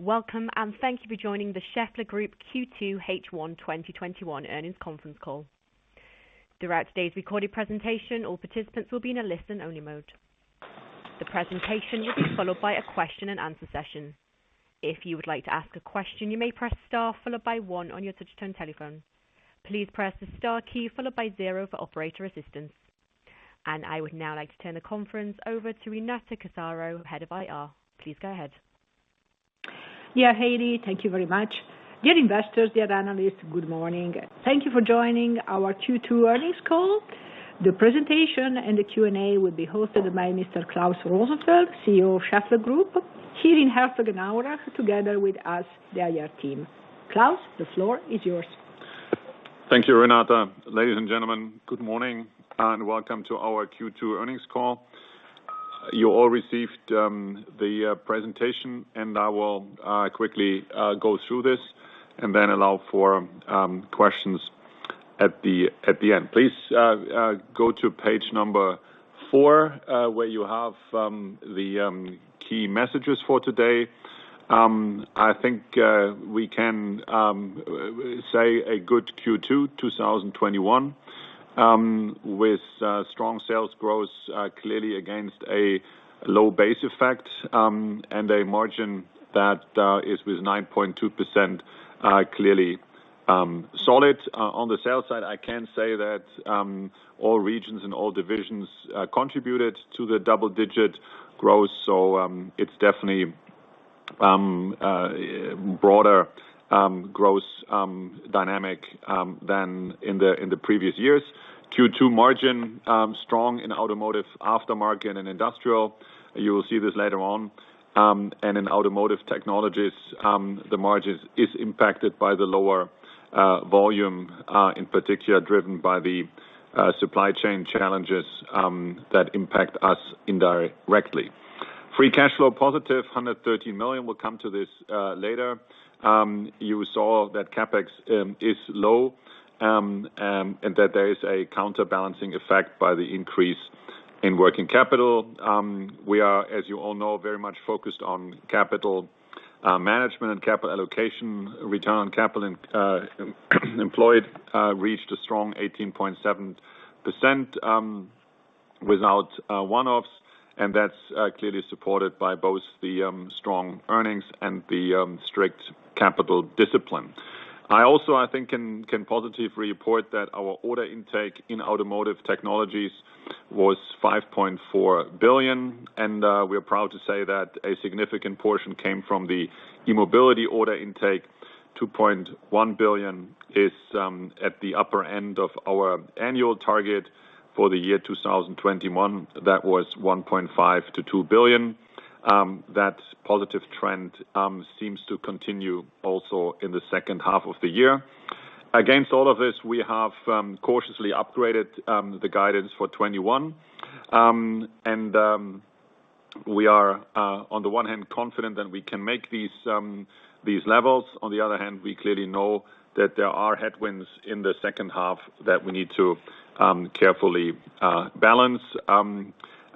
Welcome, and thank you for joining the Schaeffler Group Q2 H1 2021 earnings conference call. To get this recorded presentation all participants will be in listen-only mode. The presentation will be followed by a question and answer session. If you would like to ask a question, you may press star followed by one on your touchtone telephone. Please press the star keys followed by zero for operator assistance. I Would now like to turn the conference over to Renata Casaro, Head of IR. Please go ahead. Haley, thank you very much. Dear investors, dear analysts, good morning. Thank you for joining our Q2 earnings call. The presentation and the Q&A will be hosted by Mr. Klaus Rosenfeld, CEO of Schaeffler Group, here in Herzogenaurach, together with us, the IR team. Klaus, the floor is yours. Thank you, Renata. Ladies and gentlemen, good morning and welcome to our Q2 earnings call. You all received the presentation, and I will quickly go through this and then allow for questions at the end. Please go to page number four, where you have the key messages for today. I think we can say a good Q2 2021, with strong sales growth clearly against a low base effect, and a margin that is, with 9.2%, clearly solid. On the sales side, I can say that all regions and all divisions contributed to the double-digit growth, so it's definitely broader growth dynamic than in the previous years. Q2 margin, strong in Automotive Aftermarket and Industrial. You will see this later on. In Automotive Technologies, the margin is impacted by the lower volume, in particular driven by the supply chain challenges that impact us indirectly. Free cash flow positive, 113 million. We'll come to this later. You saw that CapEx is low, and that there is a counterbalancing effect by the increase in working capital. We are, as you all know, very much focused on capital management and capital allocation. Return on capital employed reached a strong 18.7% without one-offs, and that's clearly supported by both the strong earnings and the strict capital discipline. I also, I think, can positively report that our order intake in Automotive Technologies was 5.4 billion, and we're proud to say that a significant portion came from the e-mobility order intake. 2.1 billion is at the upper end of our annual target for the year 2021. That was 1.5 billion-2 billion. That positive trend seems to continue also in the second half of the year. Against all of this, we have cautiously upgraded the guidance for 2021. We are, on the one hand, confident that we can make these levels. On the other hand, we clearly know that there are headwinds in the second half that we need to carefully balance.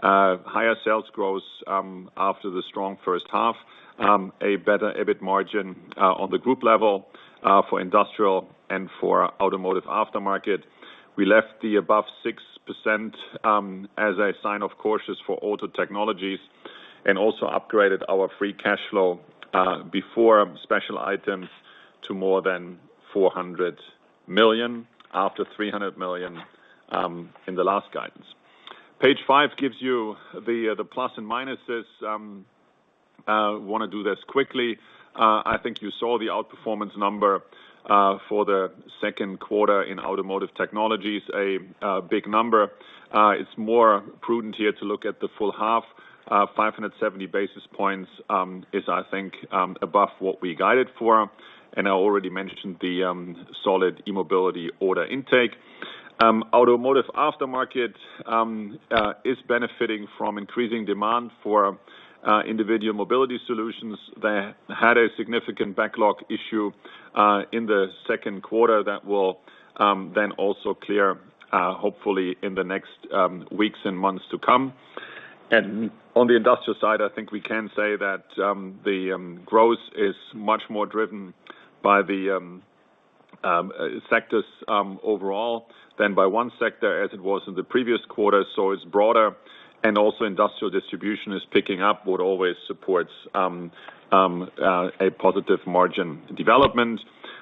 Higher sales growth after the strong first half. A better EBIT margin on the group level for Industrial and for Automotive Aftermarket. We left the above 6% as a sign of cautious for Automotive Technologies, and also upgraded our free cash flow before special items to more than 400 million, after 300 million in the last guidance. Page five gives you the plus and minuses. I want to do this quickly. I think you saw the outperformance number for the second quarter in Automotive Technologies, a big number. It's more prudent here to look at the full half. 570 basis points is, I think, above what we guided for, and I already mentioned the solid e-mobility order intake. Automotive Aftermarket is benefiting from increasing demand for individual mobility solutions that had a significant backlog issue in the second quarter that will then also clear, hopefully, in the next weeks and months to come. On the Industrial side, I think we can say that the growth is much more driven by the sectors overall than by 1 sector as it was in the previous quarter, so it's broader. Also Industrial Distribution is picking up what always supports a positive margin development.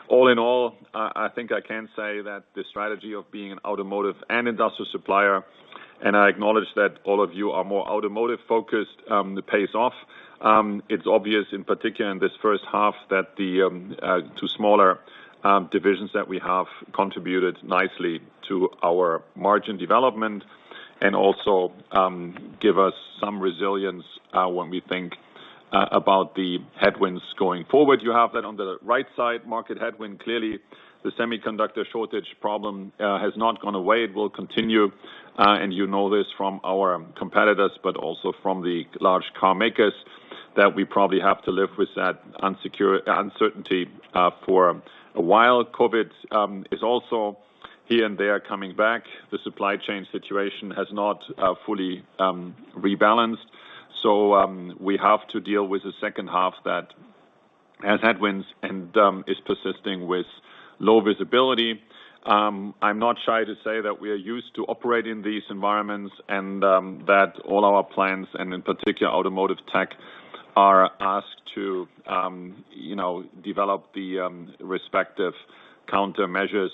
All in all, I think I can say that the strategy of being an automotive and industrial supplier, and I acknowledge that all of you are more automotive-focused, pays off. It's obvious in particular in this first half that the two smaller divisions that we have contributed nicely to our margin development and also give us some resilience when we think about the headwinds going forward. You have that on the right side, market headwind. Clearly, the semiconductor shortage problem has not gone away. It will continue, and you know this from our competitors, but also from the large car makers, that we probably have to live with that uncertainty for a while. COVID is also here and there coming back, the supply chain situation has not fully rebalanced. We have to deal with the second half that has headwinds and is persisting with low visibility. I'm not shy to say that we are used to operating in these environments and that all our plans, and in particular Automotive Tech, are asked to develop the respective countermeasures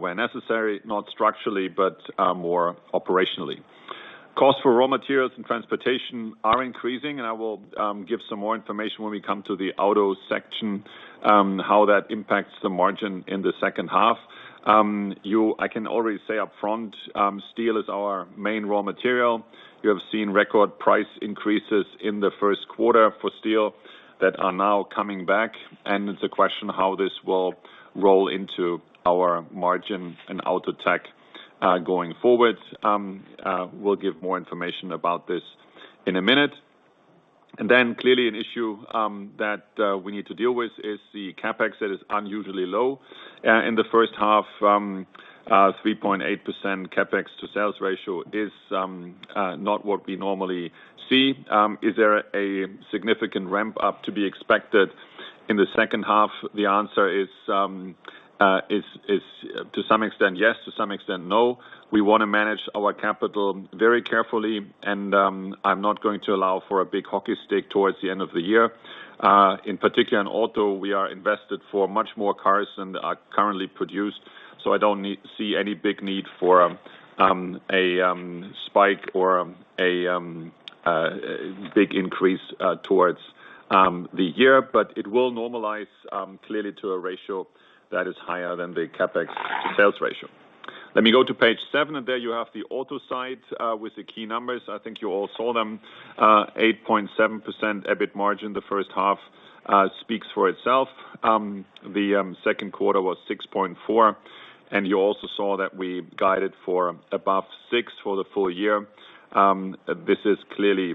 where necessary, not structurally, but more operationally. Costs for raw materials and transportation are increasing. I will give some more information when we come to the auto section, how that impacts the margin in the 2nd half. I can already say upfront, steel is our main raw material. You have seen record price increases in the 1st quarter for steel that are now coming back. It's a question how this will roll into our margin and auto tech, going forward. We'll give more information about this in a minute. Clearly an issue that we need to deal with is the CapEx that is unusually low. In the first half, 3.8% CapEx to sales ratio is not what we normally see. Is there a significant ramp-up to be expected in the second half? The answer is to some extent yes, to some extent no. We want to manage our capital very carefully and I'm not going to allow for a big hockey stick towards the end of the year. In particular, in auto, we are invested for much more cars than are currently produced. I don't see any big need for a spike or a big increase towards the year. It will normalize clearly to a ratio that is higher than the CapEx to sales ratio. Let me go to page seven, and there you have the auto side with the key numbers. I think you all saw them. 8.7% EBIT margin the first half speaks for itself. The second quarter was 6.4, and you also saw that we guided for above 6 for the full year. This is clearly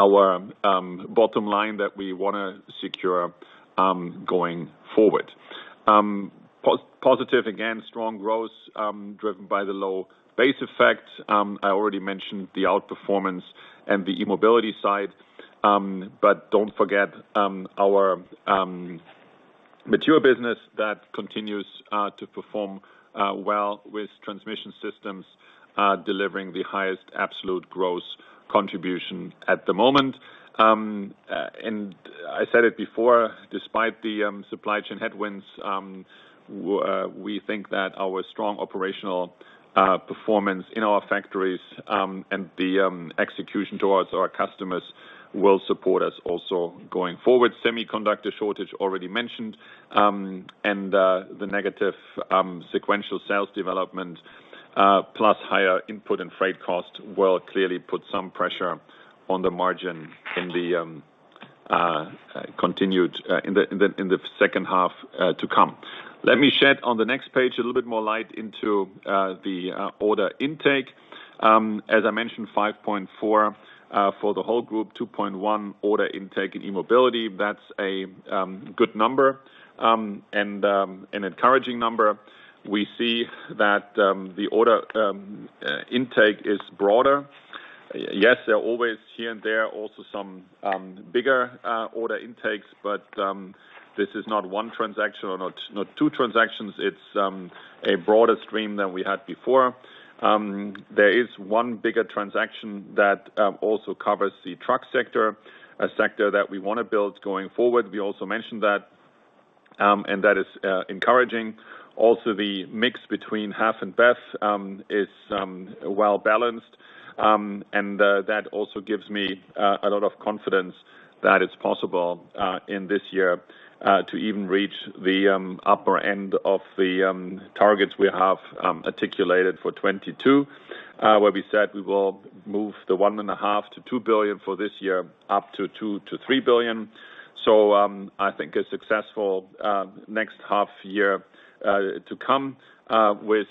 our bottom line that we want to secure going forward. Positive, again, strong growth, driven by the low base effect. I already mentioned the outperformance and the e-mobility side. Don't forget our mature business that continues to perform well with transmission systems delivering the highest absolute growth contribution at the moment. I said it before, despite the supply chain headwinds, we think that our strong operational performance in our factories, and the execution towards our customers will support us also going forward. Semiconductor shortage already mentioned, the negative sequential sales development, plus higher input and freight costs will clearly put some pressure on the margin in the second half to come. Let me shed, on the next page, a little bit more light into the order intake. As I mentioned, 5.4 for the whole group, 2.1 order intake in e-mobility. That's a good number, an encouraging number. We see that the order intake is broader. Yes, there are always here and there also some bigger order intakes, this is not one transaction or not two transactions. It's a broader stream than we had before. There is one bigger transaction that also covers the truck sector, a sector that we want to build going forward. We also mentioned that is encouraging. Also, the mix between HEV and BEV is well-balanced. That also gives me a lot of confidence that it's possible, in this year, to even reach the upper end of the targets we have articulated for 2022, where we said we will move the 1.5 billion-2 billion for this year up to 2 billion-3 billion. I think a successful next half year to come, with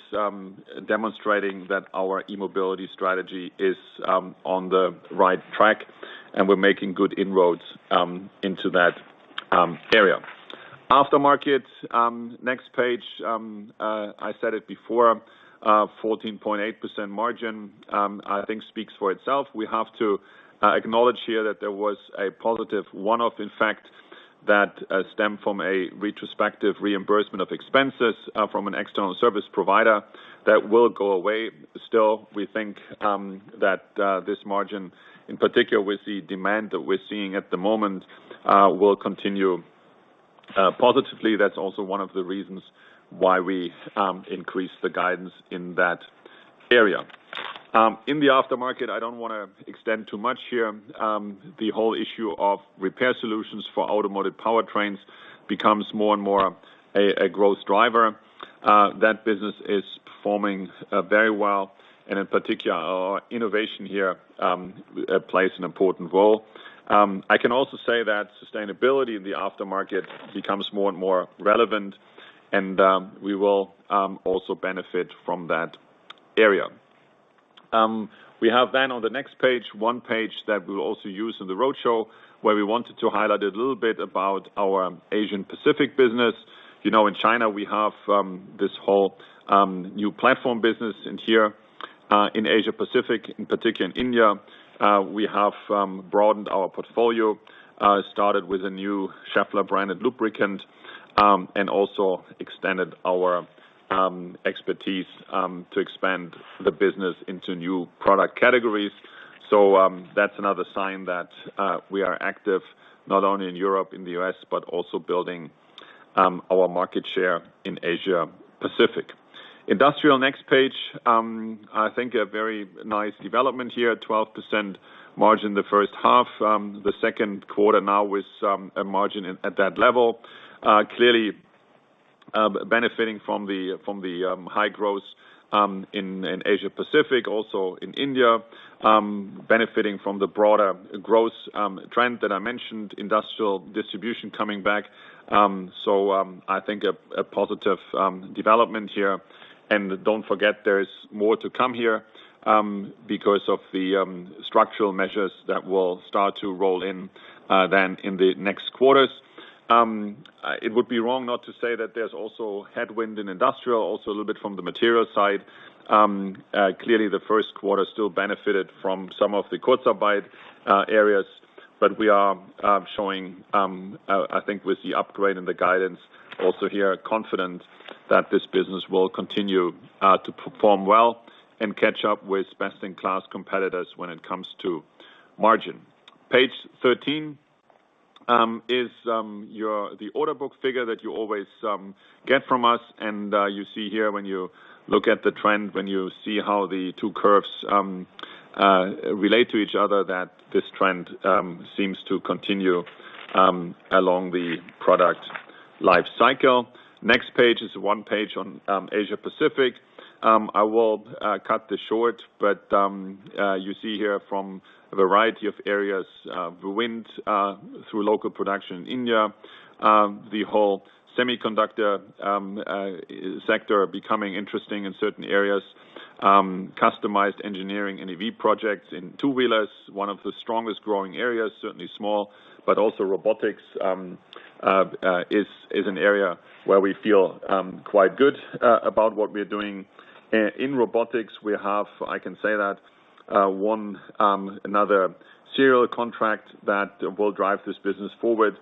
demonstrating that our e-mobility strategy is on the right track and we're making good inroads into that area. Aftermarket, next page. I said it before, 14.8% margin, I think speaks for itself. We have to acknowledge here that there was a positive one-off, in fact, that stemmed from a retrospective reimbursement of expenses from an external service provider that will go away. We think that this margin, in particular with the demand that we're seeing at the moment, will continue positively. That's also one of the reasons why we increased the guidance in that area. In the Automotive Aftermarket, I don't want to extend too much here. The whole issue of repair solutions for automotive powertrains becomes more and more a growth driver. That business is performing very well, and in particular, our innovation here plays an important role. I can also say that sustainability in the Automotive Aftermarket becomes more and more relevant and we will also benefit from that area. We have on the next page, one page that we'll also use in the roadshow, where we wanted to highlight a little bit about our Asian Pacific business. In China, we have this whole new platform business in here. In Asia Pacific, in particular in India, we have broadened our portfolio, started with a new Schaeffler branded lubricant, and also extended our expertise to expand the business into new product categories. That's another sign that we are active not only in Europe, in the U.S., but also building our market share in Asia Pacific. Industrial, next page. I think a very nice development here, 12% margin in the first half. The second quarter now with a margin at that level. Clearly benefiting from the high growth in Asia Pacific, also in India. Benefiting from the broader growth trend that I mentioned, Industrial distribution coming back. I think a positive development here. Don't forget there's more to come here because of the structural measures that will start to roll in then in the next quarters. It would be wrong not to say that there's also headwind in Industrial, also a little bit from the material side. Clearly the first quarter still benefited from some of the areas. We are showing, I think with the upgrade and the guidance also here, confident that this business will continue to perform well and catch up with best-in-class competitors when it comes to margin. Page 13 is the order book figure that you always get from us. You see here when you look at the trend, when you see how the two curves relate to each other, that this trend seems to continue along the product life cycle. Next page is one page on Asia Pacific. I will cut this short. You see here from a variety of areas, wind through local production in India. The whole semiconductor sector becoming interesting in certain areas. Customized engineering and EV projects in two-wheelers, one of the strongest growing areas, certainly small. Also robotics is an area where we feel quite good about what we're doing. In robotics, we have, I can say that, one another serial contract that will drive this business forward.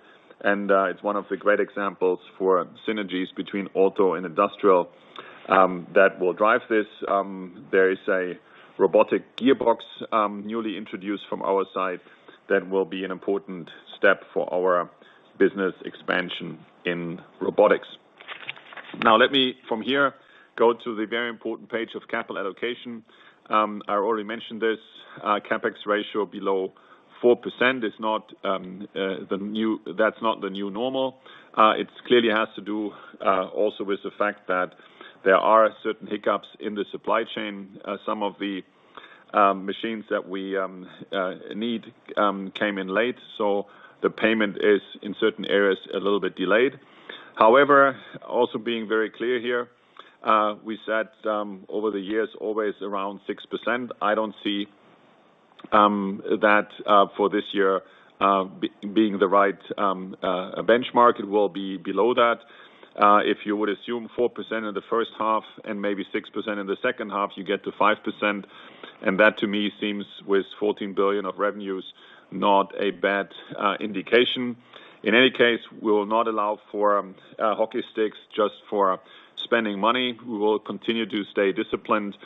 It's one of the great examples for synergies between auto and Industrial that will drive this. There is a robotic gearbox newly introduced from our side that will be an important step for our business expansion in robotics. Let me, from here, go to the very important page of capital allocation. I already mentioned this, CapEx ratio below 4%, that's not the new normal. It clearly has to do also with the fact that there are certain hiccups in the supply chain. Some of the machines that we need came in late, the payment is, in certain areas, a little bit delayed. However, also being very clear here, we said over the years, always around 6%. I don't see that for this year being the right benchmark. It will be below that. If you would assume 4% in the first half and maybe 6% in the second half, you get to 5%. That to me seems, with 14 billion of revenues, not a bad indication. In any case, we will not allow for hockey sticks just for spending money. We will continue to stay disciplined,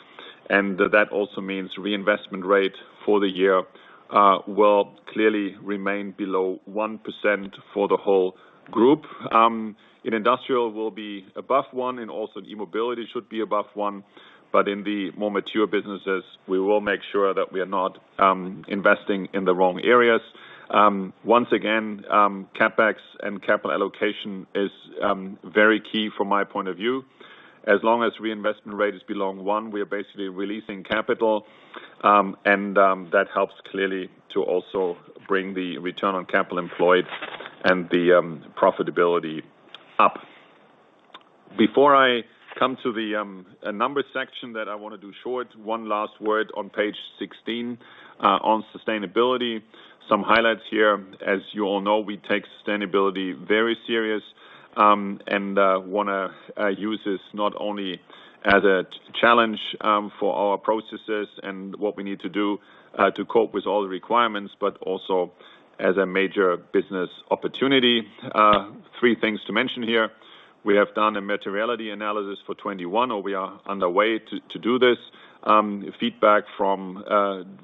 and that also means reinvestment rate for the year will clearly remain below 1% for the whole group. In Industrial, we'll be above one, and also in e-mobility should be above one. In the more mature businesses, we will make sure that we are not investing in the wrong areas. Once again, CapEx and capital allocation is very key from my point of view. As long as reinvestment rate is below 1, we are basically releasing capital. That helps clearly to also bring the return on capital employed and the profitability up. Before I come to the numbers section that I want to do short, one last word on page 16, on sustainability. Some highlights here. As you all know, we take sustainability very serious, and want to use this not only as a challenge for our processes and what we need to do to cope with all the requirements, but also as a major business opportunity. Three things to mention here. We have done a materiality analysis for 2021, or we are on the way to do this. Feedback from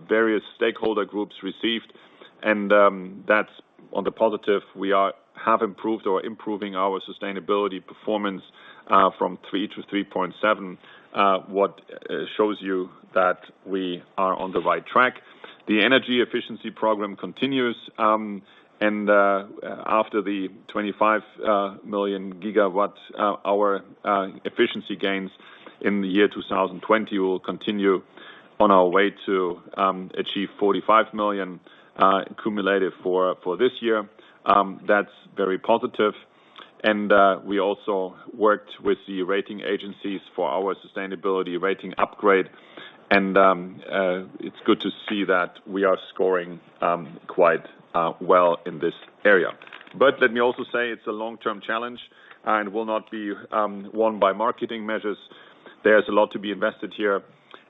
various stakeholder groups received. That's on the positive. We have improved or improving our sustainability performance from 3 to 3.7, what shows you that we are on the right track. The energy efficiency program continues. After the 25 million gigawatts, our efficiency gains in the year 2020 will continue on our way to achieve 45 million cumulative for this year. That's very positive. We also worked with the rating agencies for our sustainability rating upgrade. It's good to see that we are scoring quite well in this area. Let me also say, it's a long-term challenge and will not be won by marketing measures. There's a lot to be invested here,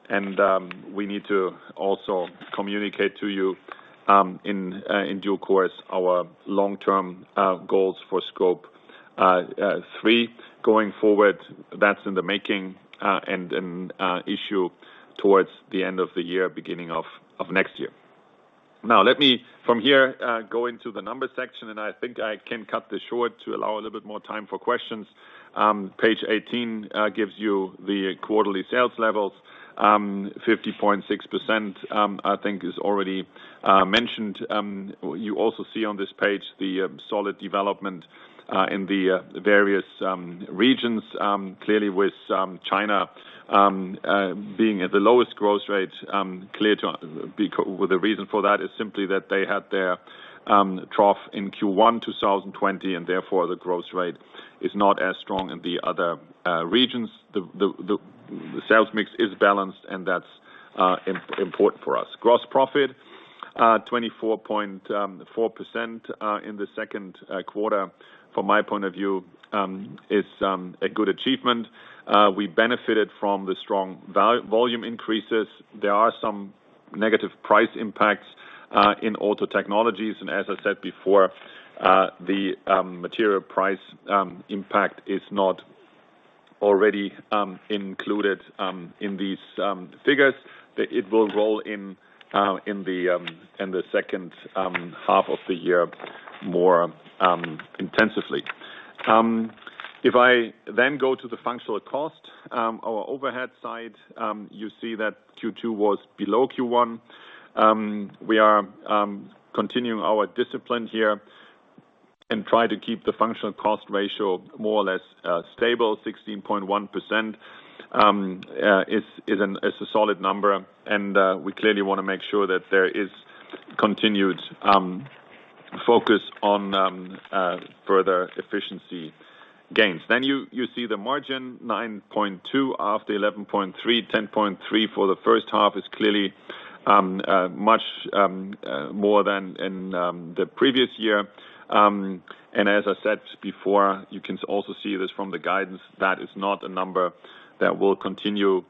and we need to also communicate to you, in due course, our long-term goals for Scope 3 going forward. That's in the making and an issue towards the end of the year, beginning of next year. Let me from here, go into the numbers section, and I think I can cut this short to allow a little bit more time for questions. Page 18 gives you the quarterly sales levels. 50.6%, I think is already mentioned. You also see on this page the solid development in the various regions. Clearly, with China being at the lowest growth rate, the reason for that is simply that they had their trough in Q1 2020, and therefore, the growth rate is not as strong in the other regions. The sales mix is balanced, and that's important for us. Gross profit, 24.4% in the second quarter, from my point of view, is a good achievement. We benefited from the strong volume increases. There are some negative price impacts in Automotive Technologies. As I said before, the material price impact is not already included in these figures. It will roll in in the second half of the year more intensively. If I go to the functional cost, our overhead side, you see that Q2 was below Q1. We are continuing our discipline here and try to keep the functional cost ratio more or less stable. 16.1% is a solid number, and we clearly want to make sure that there is continued focus on further efficiency gains. You see the margin, 9.2% of the 11.3%. 10.3% for the first half is clearly much more than in the previous year. As I said before, you can also see this from the guidance. That is not a number that will continue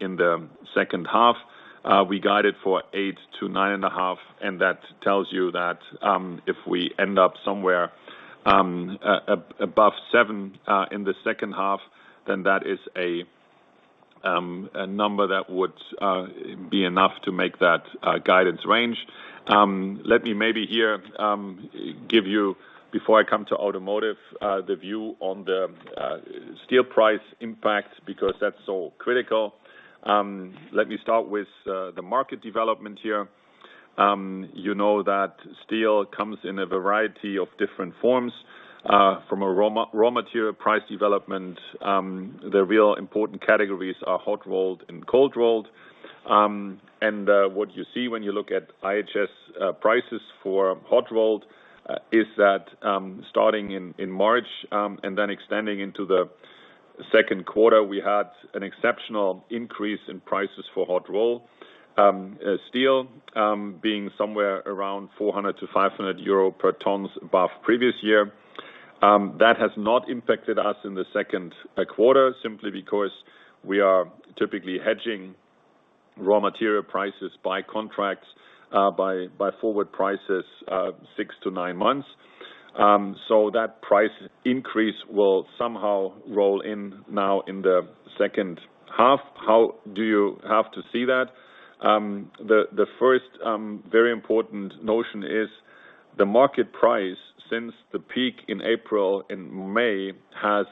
in the second half. We guide it for 8%-9.5%, and that tells you that if we end up somewhere above 7% in the second half, then that is a number that would be enough to make that guidance range. Let me maybe here give you, before I come to automotive, the view on the steel price impact, because that's so critical. Let me start with the market development here. You know that steel comes in a variety of different forms. From a raw material price development, the real important categories are hot-rolled and cold-rolled. What you see when you look at IHS prices for hot rolled is that starting in March and then extending into the second quarter, we had an exceptional increase in prices for hot roll steel, being somewhere around 400-500 euro per tons above previous year. That has not impacted us in the second quarter, simply because we are typically hedging raw material prices by contracts by forward prices six to nine months. That price increase will somehow roll in now in the second half. How do you have to see that? The first very important notion is the market price since the peak in April and May has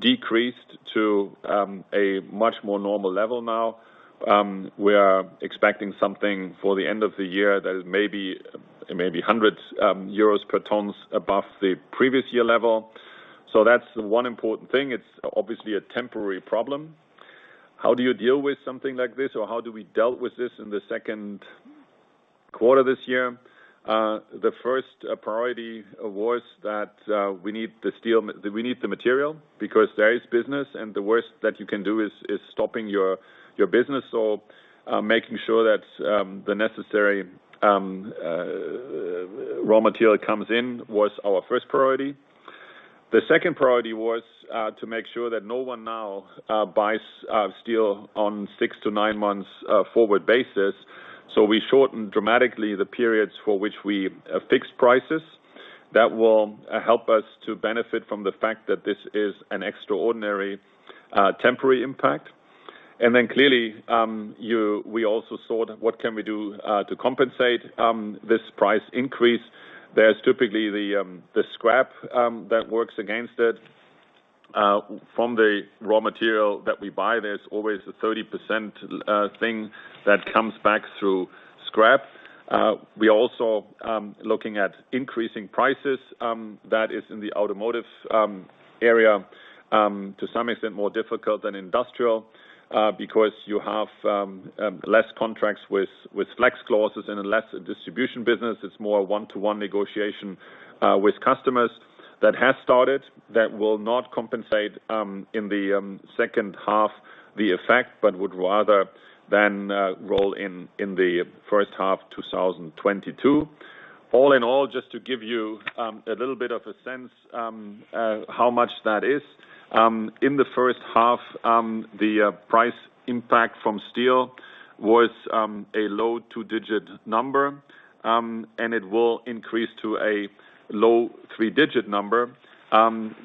decreased to a much more normal level now. We are expecting something for the end of the year that is maybe 100 euros per tons above the previous year level. That's one important thing. It's obviously a temporary problem. How do you deal with something like this? How do we dealt with this in the second quarter this year? The first priority was that we need the material because there is business, and the worst that you can do is stopping your business. Making sure that the necessary raw material comes in was our first priority. The second priority was to make sure that no one now buys steel on six to nine months forward basis. We shortened dramatically the periods for which we fixed prices. That will help us to benefit from the fact that this is an extraordinary temporary impact. Clearly, we also thought, what can we do to compensate this price increase? There is typically the scrap that works against it. From the raw material that we buy, there is always a 30% thing that comes back through scrap. We also looking at increasing prices. That is in the Automotive area to some extent more difficult than Industrial, because you have less contracts with flex clauses and less distribution business. It is more one-to-one negotiation with customers. That has started. That will not compensate in the second half the effect, but would rather then roll in the first half 2022. All in all, just to give you a little bit of a sense how much that is. In the first half, the price impact from steel was a low two-digit number. It will increase to a low three-digit number.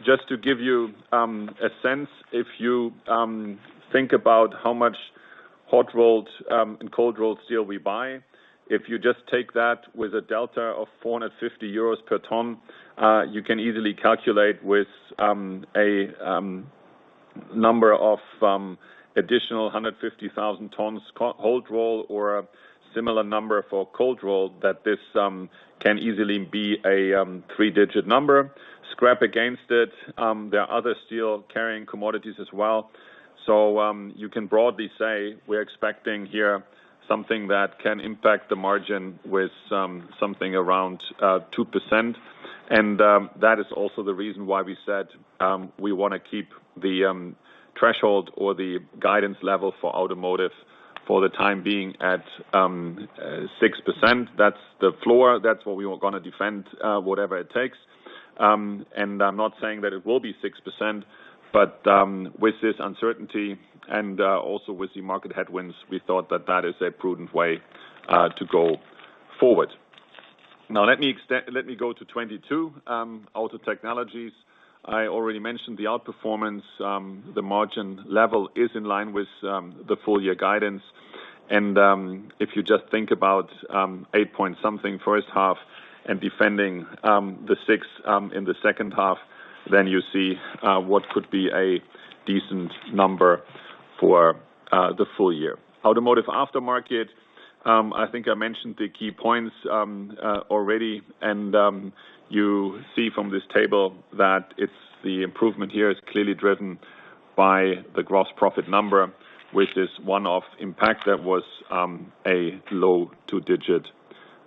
Just to give you a sense, if you think about how much hot-rolled and cold-rolled steel we buy. If you just take that with a delta of 450 euros per ton, you can easily calculate with a number of additional 150,000 tons hot-roll or a similar number for cold-roll, that this can easily be a three-digit number. Scrap against it. There are other steel-carrying commodities as well. You can broadly say we're expecting here something that can impact the margin with something around 2%. That is also the reason why we said we want to keep the threshold or the guidance level for automotive for the time being at 6%. That's the floor. That's what we were going to defend, whatever it takes. I'm not saying that it will be 6%, but with this uncertainty and also with the market headwinds, we thought that that is a prudent way to go forward. Let me go to 2022. Automotive Technologies. I already mentioned the outperformance. The margin level is in line with the full-year guidance. If you just think about 8 point something first half and defending the 6 in the second half, then you see what could be a decent number for the full year. Automotive Aftermarket. I think I mentioned the key points already. You see from this table that the improvement here is clearly driven by the gross profit number, which is one-off impact that was a low two-digit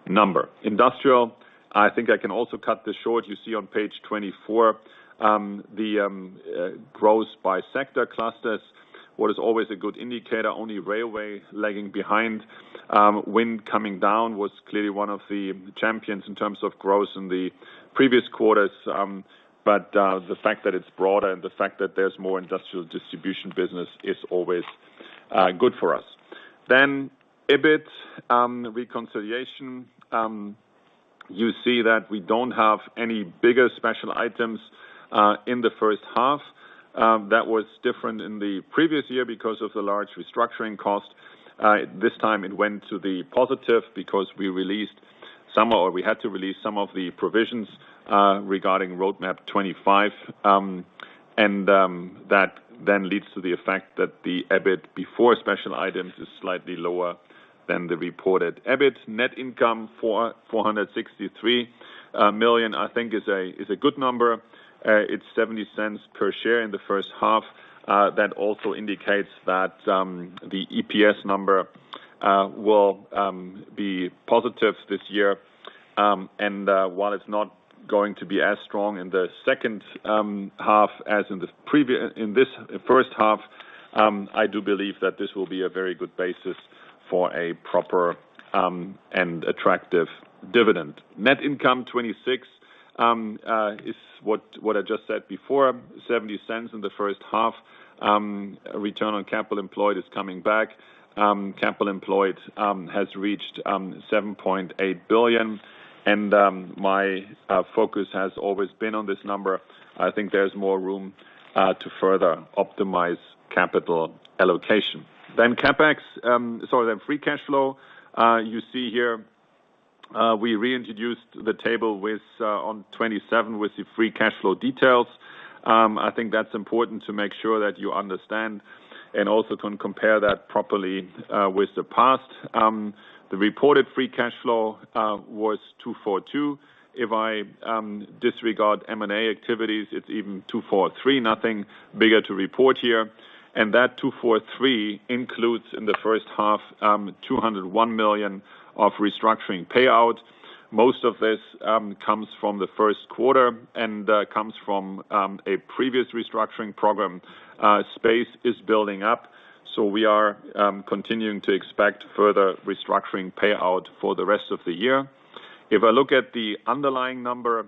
number. Industrial. I think I can also cut this short. You see on page 24, the growth by sector clusters. What is always a good indicator. Only railway lagging behind, wind coming down was clearly one of the champions in terms of growth in the previous quarters. The fact that it's broader and the fact that there's more industrial distribution business is always good for us. EBIT reconciliation. You see that we don't have any bigger special items in the first half. That was different in the previous year because of the large restructuring cost. This time it went to the positive because we had to release some of the provisions regarding Roadmap 2025. That then leads to the effect that the EBIT before special items is slightly lower than the reported EBIT. Net income, 463 million, I think is a good number. It's 0.70 per share in the first half. That also indicates that the EPS number will be positive this year. While it's not going to be as strong in the second half as in this first half, I do believe that this will be a very good basis for a proper and attractive dividend. Net income, 26, is what I just said before, 0.70 in the first half. Return on capital employed is coming back. Capital employed has reached 7.8 billion. My focus has always been on this number. I think there's more room to further optimize capital allocation. Free cash flow. You see here, we reintroduced the table on 27 with the free cash flow details. I think that's important to make sure that you understand and also can compare that properly with the past. The reported free cash flow was 242. If I disregard M&A activities, it's even 243. Nothing bigger to report here. That 243 includes, in the first half, 201 million of restructuring payout. Most of this comes from the first quarter and comes from a previous restructuring program. SPACE is building up, so we are continuing to expect further restructuring payout for the rest of the year. If I look at the underlying number,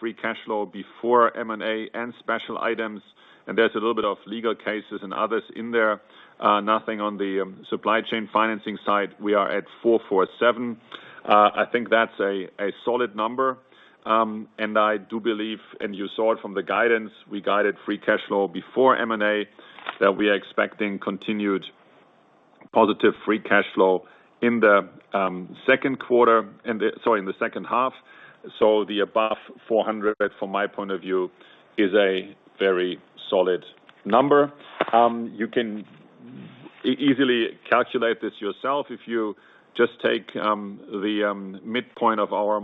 free cash flow before M&A and special items, and there's a little bit of legal cases and others in there. Nothing on the supply chain financing side. We are at 447. I think that's a solid number. I do believe, and you saw it from the guidance, we guided free cash flow before M&A, that we are expecting continued positive free cash flow in the second half. The above 400, from my point of view, is a very solid number. You can easily calculate this yourself if you just take the midpoint of our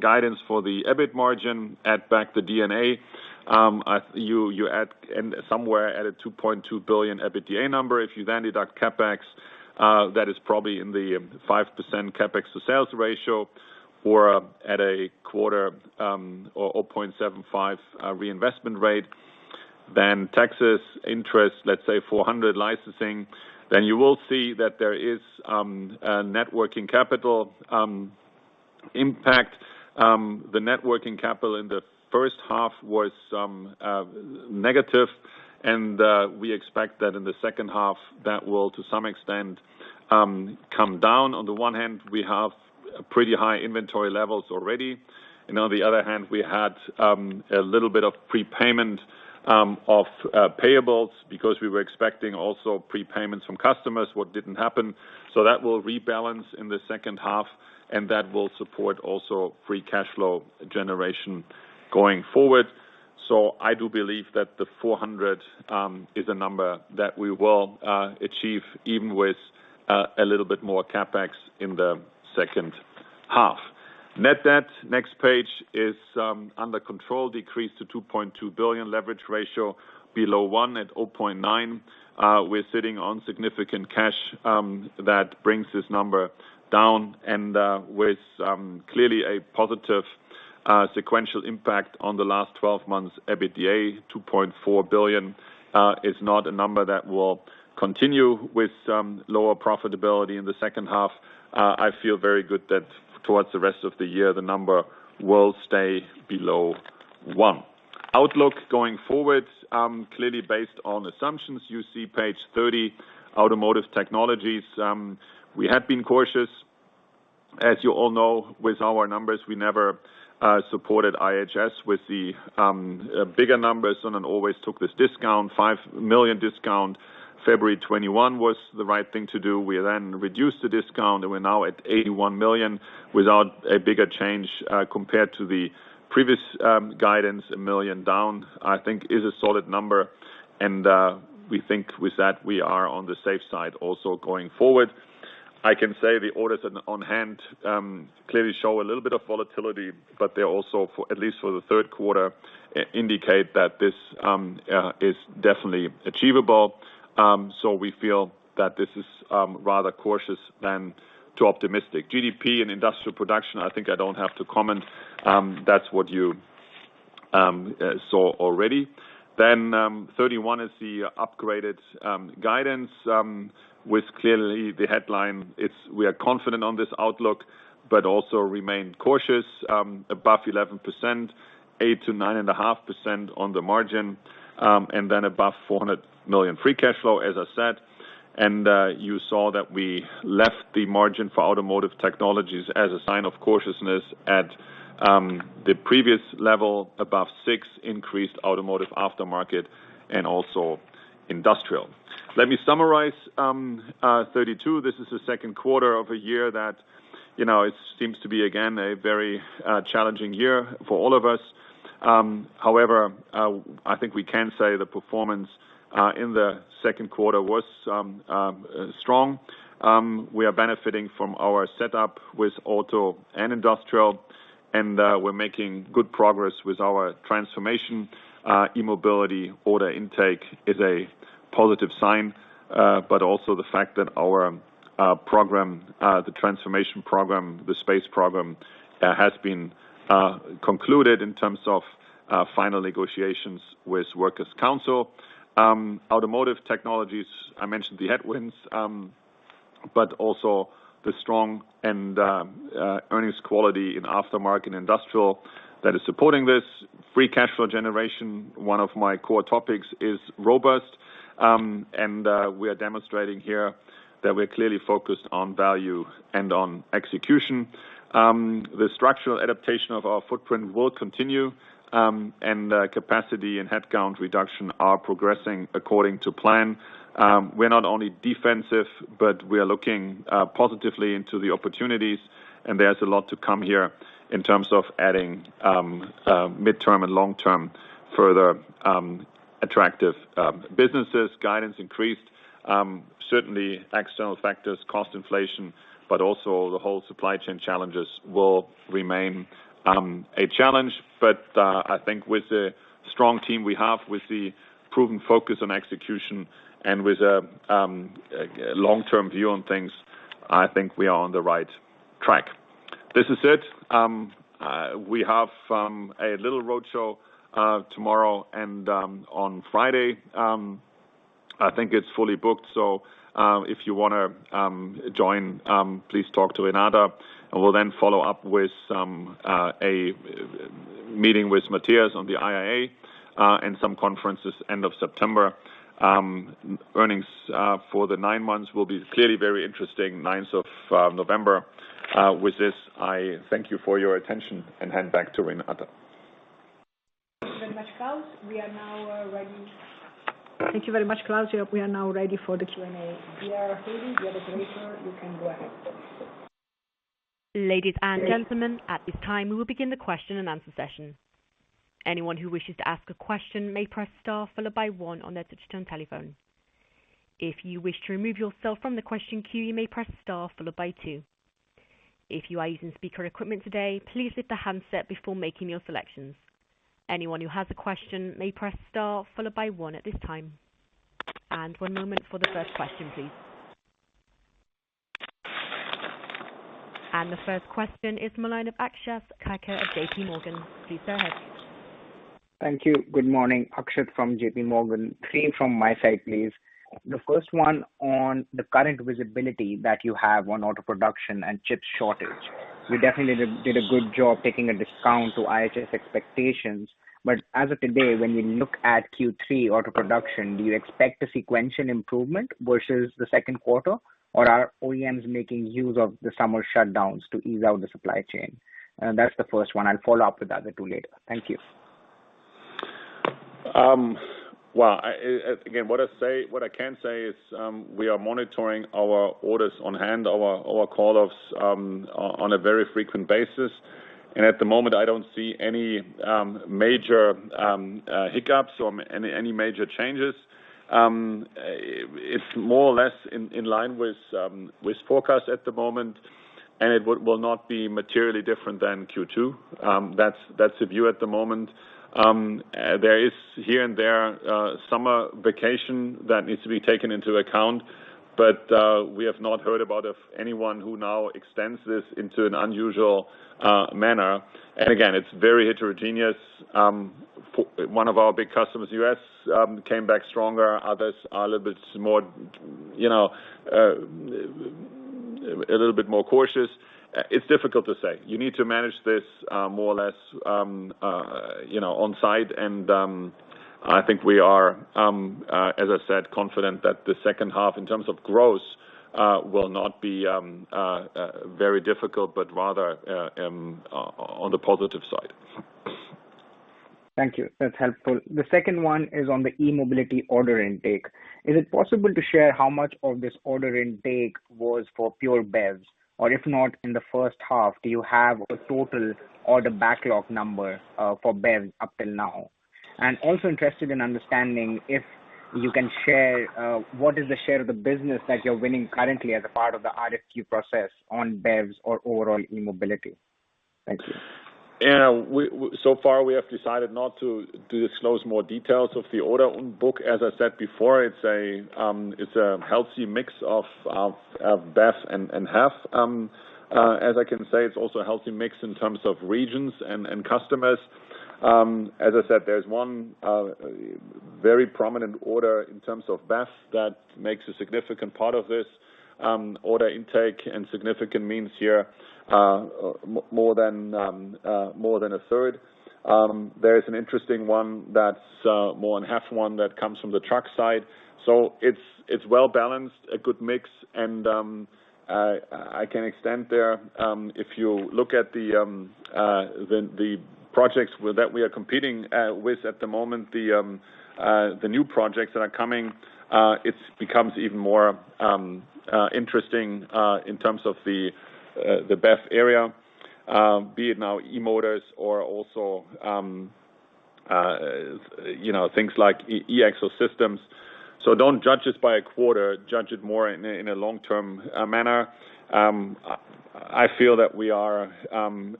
guidance for the EBIT margin, add back the D&A, you add somewhere at a 2.2 billion EBITDA number. If you then deduct CapEx, that is probably in the 5% CapEx to sales ratio, or at a quarter or 0.75 reinvestment rate, then taxes, interest, let's say 400 licensing, then you will see that there is a net working capital impact. The net working capital in the first half was negative, and we expect that in the second half, that will, to some extent, come down. On the one hand, we have pretty high inventory levels already. On the other hand, we had a little bit of prepayment of payables because we were expecting also prepayment from customers, what didn't happen. That will rebalance in the second half, and that will support also free cash flow generation going forward. I do believe that the 400 million is a number that we will achieve even with a little bit more CapEx in the second half. Net debt, next page, is under control, decreased to 2.2 billion leverage ratio below 1 at 0.9. We're sitting on significant cash that brings this number down, and with clearly a positive sequential impact on the last 12 months EBITDA, 2.4 billion is not a number that will continue with lower profitability in the second half. I feel very good that towards the rest of the year, the number will stay below 1. Outlook going forward, clearly based on assumptions, you see page 30, Automotive Technologies. We had been cautious, as you all know, with our numbers. We never supported IHS with the bigger numbers and then always took this discount, 5 million discount. February 2021 was the right thing to do. We then reduced the discount, and we're now at 81 million without a bigger change compared to the previous guidance. 1 million down, I think is a solid number, and we think with that, we are on the safe side also going forward. I can say the orders on hand clearly show a little bit of volatility, but they also, at least for the 3rd quarter, indicate that this is definitely achievable. We feel that this is rather cautious than too optimistic. GDP and industrial production, I think I don't have to comment. That's what you saw already. 31 is the upgraded guidance, with clearly the headline, it's we are confident on this outlook, but also remain cautious, above 11%, 8%-9.5% on the margin, and then above 400 million free cash flow, as I said. You saw that we left the margin for Automotive Technologies as a sign of cautiousness at the previous level, above six increased Automotive Aftermarket and also Industrial. Let me summarize 32. This is the second quarter of a year that it seems to be, again, a very challenging year for all of us. However, I think we can say the performance in the second quarter was strong. We are benefiting from our setup with auto and Industrial, and we're making good progress with our transformation. E-mobility order intake is a positive sign. Also, the fact that our program, the transformation program, the SPACE program, has been concluded in terms of final negotiations with Workers' Council. Automotive Technologies, I mentioned the headwinds. Also, the strong and earnings quality in Aftermarket and Industrial that is supporting this. Free cash flow generation, one of my core topics, is robust. We are demonstrating here that we're clearly focused on value and on execution. The structural adaptation of our footprint will continue. Capacity and headcount reduction are progressing according to plan. We're not only defensive. We are looking positively into the opportunities. There's a lot to come here in terms of adding midterm and long-term further attractive businesses. Guidance increased. Certainly, external factors, cost inflation. Also, the whole supply chain challenges will remain a challenge. I think with the strong team we have, with the proven focus on execution and with a long-term view on things, I think we are on the right track. This is it. We have a little roadshow tomorrow, and on Friday, I think it's fully booked. If you want to join, please talk to Renata, and we'll then follow up with a meeting with Matthias on the IAA and some conferences end of September. Earnings for the nine months will be clearly very interesting, 9th of November. With this, I thank you for your attention and hand back to Renata. Thank you very much, Klaus. We are now ready for the Q&A. We are ready. We have the translator. You can go ahead. Ladies and gentlemen at this time we will begin the question and answer session. Anyone who wishes to ask a question may press star followed by one on their touchtone telephone. If you wish to remove yourself from the question queue you may press star followed by two. If you're using speaker equipment today please pick the handset before making any selections. Anyone who has a question may press star followed by one at this time. One moment for the first question please. The first question is the line of Akshat Kacker of JPMorgan. Please go ahead. Thank you. Good morning. Akshat from JPMorgan. Three from my side, please. The first one on the current visibility that you have on auto production and chip shortage. You definitely did a good job taking a discount to IHS expectations. As of today, when you look at Q3 auto production, do you expect a sequential improvement versus the second quarter, or are OEMs making use of the summer shutdowns to ease out the supply chain? That's the first one. I'll follow up with the other two later. Thank you. Well, again, what I can say is we are monitoring our orders on hand, our call-offs, on a very frequent basis. At the moment, I don't see any major hiccups or any major changes. It's more or less in line with forecast at the moment, and it will not be materially different than Q2. That's the view at the moment. There is here and there summer vacation that needs to be taken into account, but we have not heard of anyone who now extends this into an unusual manner. Again, it's very heterogeneous. One of our big customers, U.S., came back stronger. Others are a little bit more cautious. It's difficult to say. You need to manage this more or less on-site, and I think we are, as I said, confident that the second half in terms of growth, will not be very difficult, but rather on the positive side. Thank you. That's helpful. The second one is on the e-mobility order intake. Is it possible to share how much of this order intake was for pure BEVs? Or if not in the first half, do you have a total order backlog number for BEVs up till now? Also interested in understanding if you can share what is the share of the business that you're winning currently as a part of the RFQ process on BEVs or overall e-mobility. Thank you. So far, we have decided not to disclose more details of the order on book. As I said before, it's a healthy mix of BEV and HEV. As I can say, it's also a healthy mix in terms of regions and customers. As I said, there's one very prominent order in terms of BEV that makes a significant part of this order intake, and significant means here more than a third. There is an interesting one that's more than half one that comes from the truck side. It's well-balanced, a good mix. I can extend there, if you look at the projects that we are competing with at the moment, the new projects that are coming, it becomes even more interesting in terms of the BEV area. Be it now e-motors or also things like E-Axle systems. Don't judge it by a quarter, judge it more in a long-term manner. I feel that we are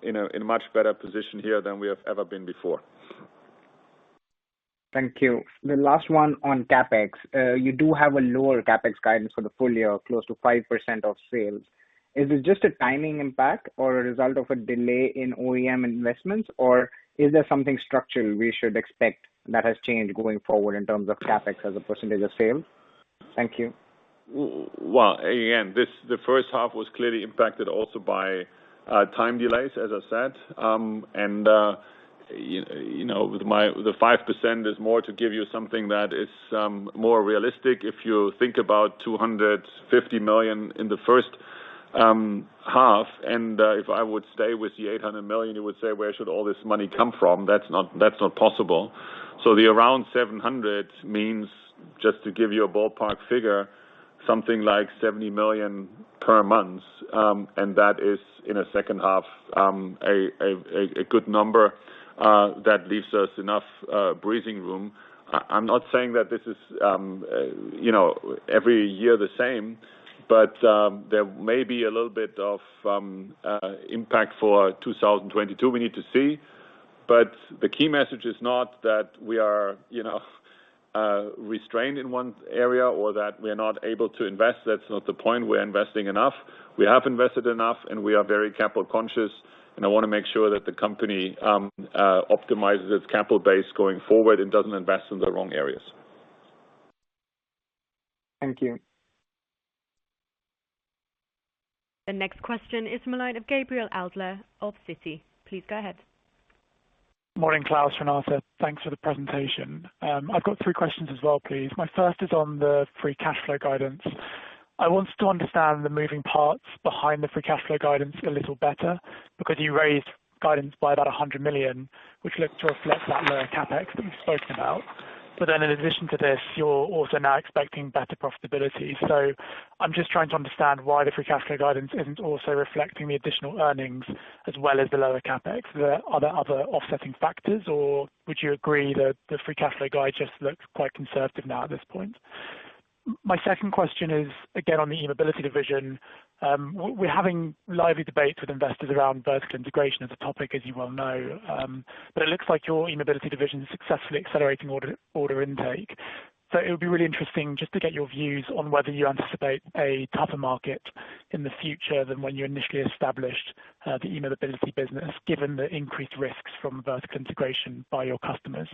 in a much better position here than we have ever been before. Thank you. The last one on CapEx. You do have a lower CapEx guidance for the full year, close to 5% of sales. Is it just a timing impact or a result of a delay in OEM investments or is there something structural we should expect that has changed going forward in terms of CapEx as a percentage of sales? Thank you. Well, again, the first half was clearly impacted also by time delays, as I said. The 5% is more to give you something that is more realistic. If you think about 250 million in the first half, and if I would stay with the 800 million, you would say, where should all this money come from? That's not possible. The around 700 million means, just to give you a ballpark figure, something like 70 million per month. That is in the second half a good number that leaves us enough breathing room. I'm not saying that this is every year the same, but there may be a little bit of impact for 2022, we need to see. The key message is not that we are restrained in one area or that we are not able to invest. That's not the point. We're investing enough. We have invested enough, and we are very capital conscious, and I want to make sure that the company optimizes its capital base going forward and doesn't invest in the wrong areas. Thank you. The next question is the line of Gabriel Adler of Citi. Please go ahead. Morning, Klaus, Renata. Thanks for the presentation. I've got three questions as well, please. My first is on the free cash flow guidance. I want to understand the moving parts behind the free cash flow guidance a little better, because you raised guidance by about 100 million, which looks to reflect that lower CapEx that we've spoken about. In addition to this, you're also now expecting better profitability. I'm just trying to understand why the free cash flow guidance isn't also reflecting the additional earnings as well as the lower CapEx. Are there other offsetting factors, or would you agree that the free cash flow guide just looks quite conservative now at this point? My second question is, again, on the e-mobility division. We're having lively debates with investors around vertical integration as a topic, as you well know. It looks like your e-mobility division is successfully accelerating order intake. It would be really interesting just to get your views on whether you anticipate a tougher market in the future than when you initially established the e-mobility business, given the increased risks from vertical integration by your customers.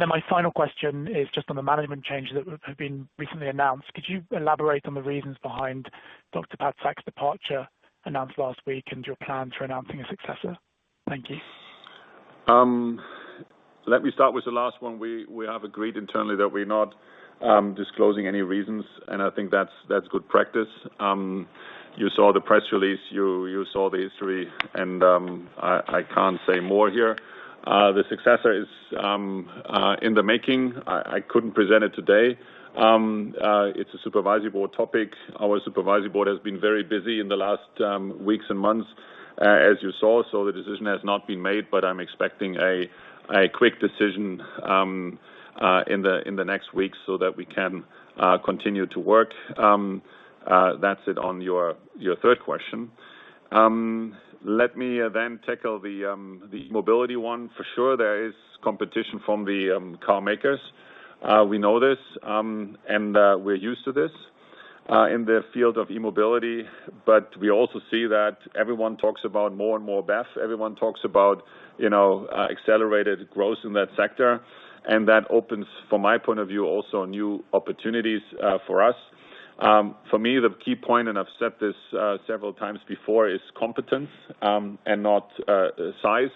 My final question is just on the management changes that have been recently announced. Could you elaborate on the reasons behind Patzak's departure announced last week and your plan for announcing a successor? Thank you. Let me start with the last one. We have agreed internally that we're not disclosing any reasons, and I think that's good practice. You saw the press release, you saw the history, and I can't say more here. The successor is in the making. I couldn't present it today. It's a supervisory board topic. Our supervisory board has been very busy in the last weeks and months, as you saw. The decision has not been made, but I'm expecting a quick decision in the next week so that we can continue to work. That's it on your third question. Let me tackle the e-mobility one. For sure, there is competition from the car makers. We know this, and we're used to this, in the field of e-mobility. We also see that everyone talks about more and more BEV. Everyone talks about accelerated growth in that sector, and that opens, from my point of view, also new opportunities for us. For me, the key point, and I've said this several times before, is competence and not size.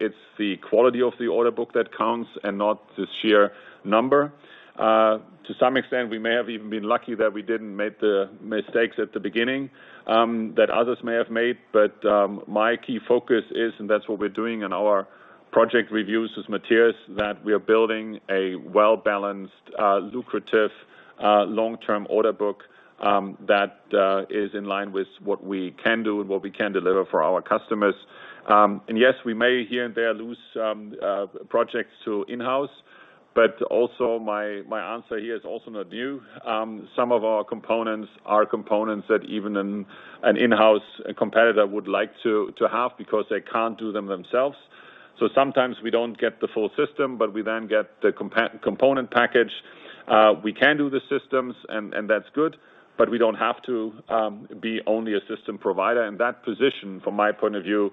It's the quality of the order book that counts and not the sheer number. To some extent, we may have even been lucky that we didn't make the mistakes at the beginning that others may have made. My key focus is, and that's what we're doing in our project reviews with Matthias, that we are building a well-balanced, lucrative, long-term order book that is in line with what we can do and what we can deliver for our customers. Yes, we may here and there lose some projects to in-house, but also my answer here is also not new. Some of our components are components that even an in-house competitor would like to have because they can't do them themselves. Sometimes we don't get the full system, but we then get the component package. We can do the systems, and that's good, but we don't have to be only a system provider. That position, from my point of view,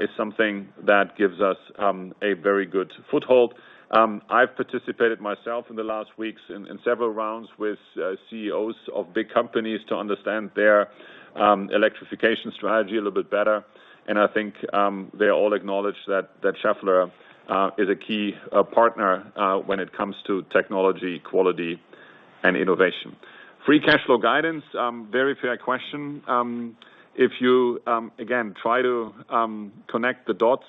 is something that gives us a very good foothold. I've participated myself in the last weeks in several rounds with CEOs of big companies to understand their electrification strategy a little bit better, and I think they all acknowledge that Schaeffler is a key partner when it comes to technology, quality, and innovation. Free cash flow guidance, very fair question. If you, again, try to connect the dots,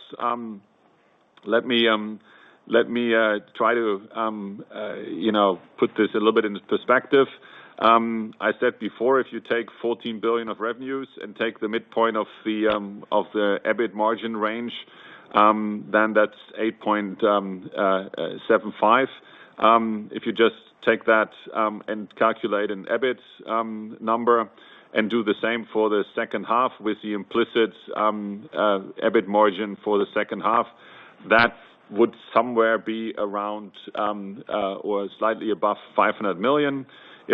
let me try to put this a little bit into perspective. I said before, you take 14 billion of revenues and take the midpoint of the EBIT margin range, that's 8.75%. You just take that and calculate an EBIT number and do the same for the second half with the implicit EBIT margin for the second half, that would somewhere be around or slightly above 500 million.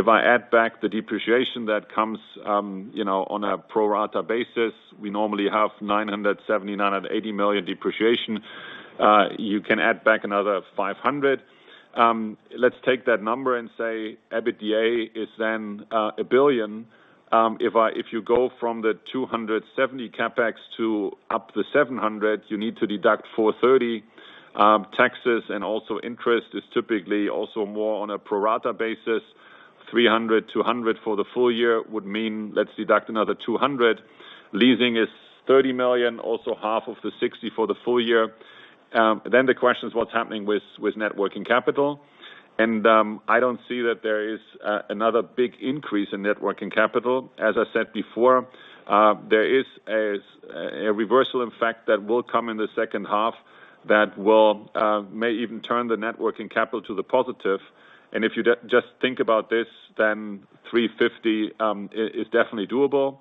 I add back the depreciation that comes on a pro rata basis, we normally have 979 million or 980 million depreciation. You can add back another 500 million. Let's take that number and say EBITDA is then 1 billion. You go from the 270 million CapEx to up to 700 million, you need to deduct 430 million taxes and also interest is typically also more on a pro rata basis, 300 million, 200 million for the full year would mean let's deduct another 200 million. Leasing is 30 million, also half of the 60 million for the full year. The question is what's happening with net working capital? I don't see that there is another big increase in net working capital. As I said before, there is a reversal effect that will come in the second half that may even turn the net working capital to the positive. If you just think about this, then 350 million is definitely doable.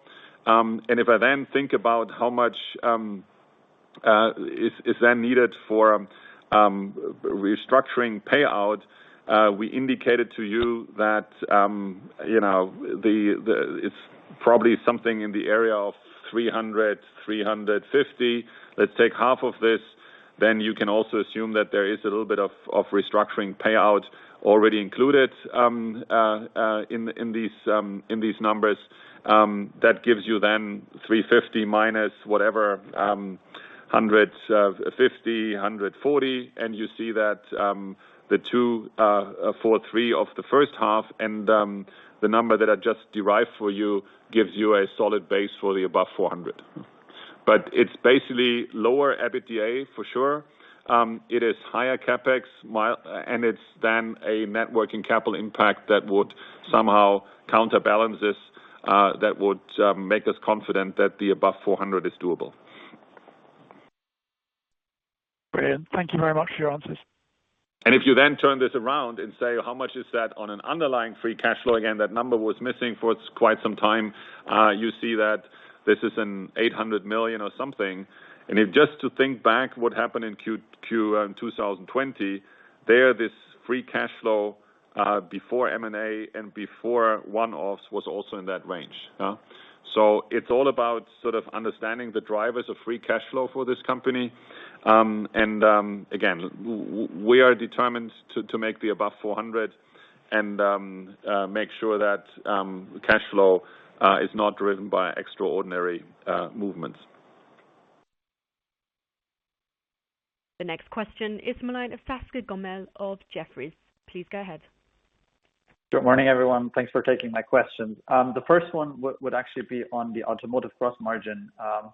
If I then think about how much is then needed for restructuring payout, we indicated to you that it's probably something in the area of 300 million-350 million. Let's take half of this. You can also assume that there is a little bit of restructuring payout already included in these numbers. That gives you then 350 minus whatever 150, 140, and you see that the 2 for 3 of the first half and the number that I just derived for you gives you a solid base for the above 400. It's basically lower EBITDA, for sure. It is higher CapEx, and it's then a net working capital impact that would somehow counterbalance this, that would make us confident that the above 400 is doable. Brilliant. Thank you very much for your answers. If you then turn this around and say, how much is that on an underlying free cash flow? Again, that number was missing for quite some time. You see that this is an 800 million or something. If just to think back what happened in Q2 2020, there, this free cash flow, before M&A and before one-offs was also in that range. It's all about understanding the drivers of free cash flow for this company. Again, we are determined to make the above 400 and make sure that cash flow is not driven by extraordinary movements. The next question is [ Malena Tasca Gommel] of Jefferies. Please go ahead. Good morning, everyone. Thanks for taking my questions. The first one would actually be on the automotive gross margin. I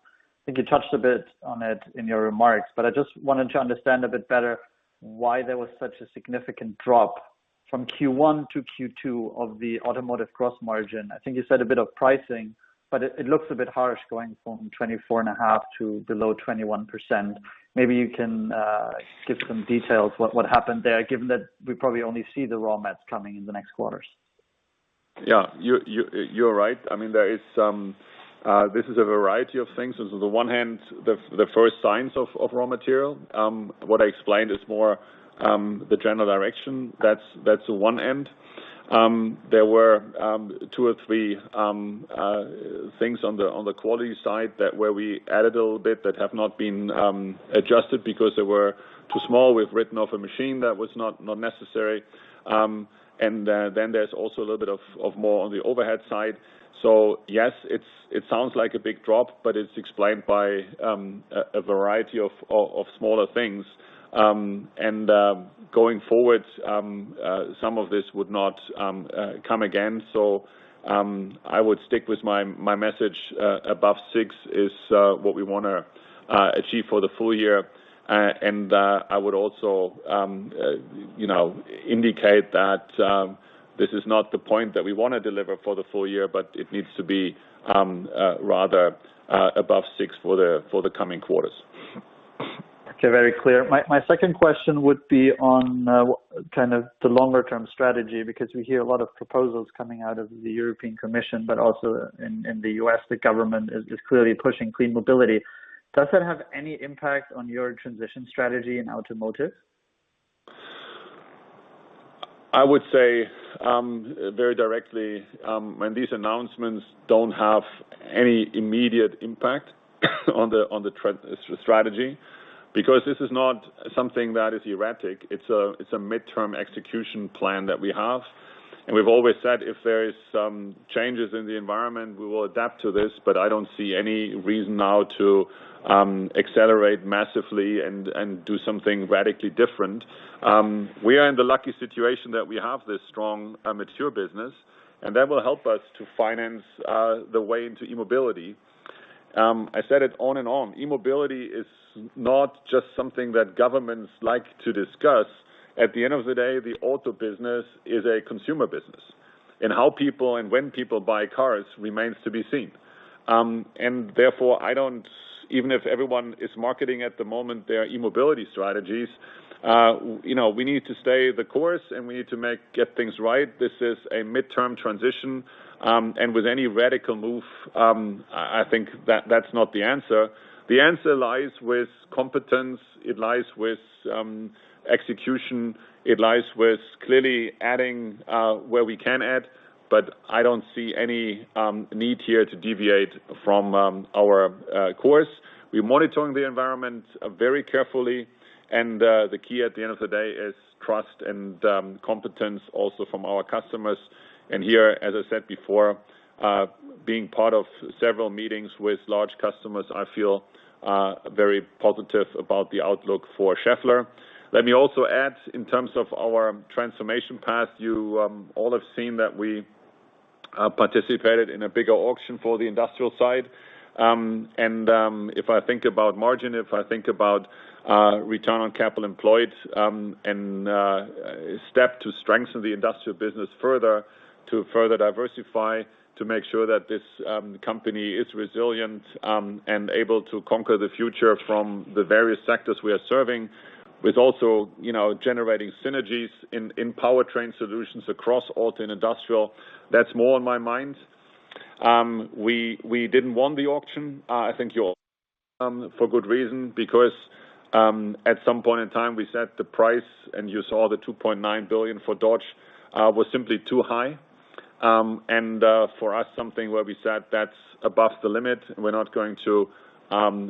think you touched a bit on it in your remarks, but I just wanted to understand a bit better why there was such a significant drop from Q1 to Q2 of the automotive gross margin. I think you said a bit of pricing, but it looks a bit harsh going from 24.5% to below 21%. Maybe you can give some details what happened there, given that we probably only see the raw mats coming in the next quarters. Yeah. You're right. This is a variety of things. On the one hand, the first signs of raw material. What I explained is more the general direction. That's one end. There were two or three things on the quality side where we added a little bit that have not been adjusted because they were too small. We've written off a machine that was not necessary. Then there's also a little bit of more on the overhead side. Yes, it sounds like a big drop, but it's explained by a variety of smaller things. Going forward, some of this would not come again. I would stick with my message, above 6 is what we want to achieve for the full year. I would also indicate that this is not the point that we want to deliver for the full year, but it needs to be rather above 6 for the coming quarters. Okay. Very clear. My second question would be on the longer-term strategy, because we hear a lot of proposals coming out of the European Commission, but also in the U.S., the government is clearly pushing clean mobility. Does that have any impact on your transition strategy in automotive? I would say very directly, when these announcements don't have any immediate impact on the strategy. This is not something that is erratic. It's a midterm execution plan that we have. We've always said if there is some changes in the environment, we will adapt to this, but I don't see any reason now to accelerate massively and do something radically different. We are in the lucky situation that we have this strong, mature business, and that will help us to finance the way into e-mobility. I said it on and on, e-mobility is not just something that governments like to discuss. At the end of the day, the auto business is a consumer business, and how people and when people buy cars remains to be seen. Therefore, even if everyone is marketing at the moment their e-mobility strategies, we need to stay the course, and we need to get things right. This is a midterm transition. With any radical move, I think that's not the answer. The answer lies with competence. It lies with execution. It lies with clearly adding where we can add. I don't see any need here to deviate from our course. We're monitoring the environment very carefully. The key at the end of the day is trust and competence also from our customers. Here, as I said before, being part of several meetings with large customers, I feel very positive about the outlook for Schaeffler. Let me also add in terms of our transformation path, you all have seen that we participated in a bigger auction for the Industrial side. If I think about margin, if I think about return on capital employed, and a step to strengthen the Industrial business further, to further diversify, to make sure that this company is resilient and able to conquer the future from the various sectors we are serving. With also generating synergies in powertrain solutions across auto and Industrial. That's more on my mind. We didn't won the auction. I think you all for good reason, because at some point in time we set the price and you saw the 2.9 billion for Dodge was simply too high. For us, something where we said that's above the limit. We're not going to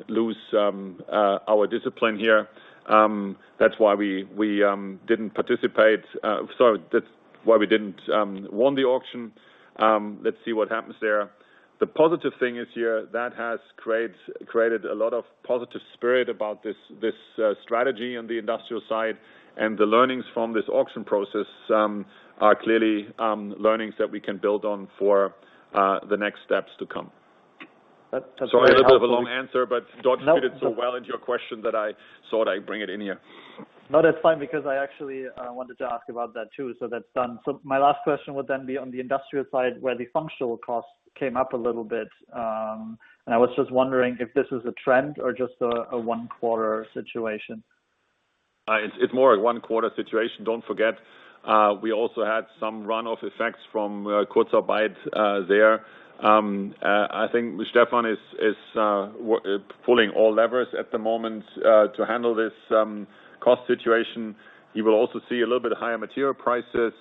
lose our discipline here. That's why we didn't participate. Sorry, that's why we didn't won the auction. Let's see what happens there. The positive thing is here that has created a lot of positive spirit about this strategy on the Industrial side. The learnings from this auction process are clearly learnings that we can build on for the next steps to come. That's very helpful. Sorry, a bit of a long answer, but Gommel I fitted so well into your question that I thought I'd bring it in here. No, that's fine because I actually wanted to ask about that too, so that's done. My last question would then be on the Industrial side, where the functional costs came up a little bit. I was just wondering if this is a trend or just a one-quarter situation. It's more a one-quarter situation. Don't forget, we also had some runoff effects from Kurzarbeit there. Stefan is pulling all levers at the moment, to handle this cost situation. You will also see a little bit higher material prices.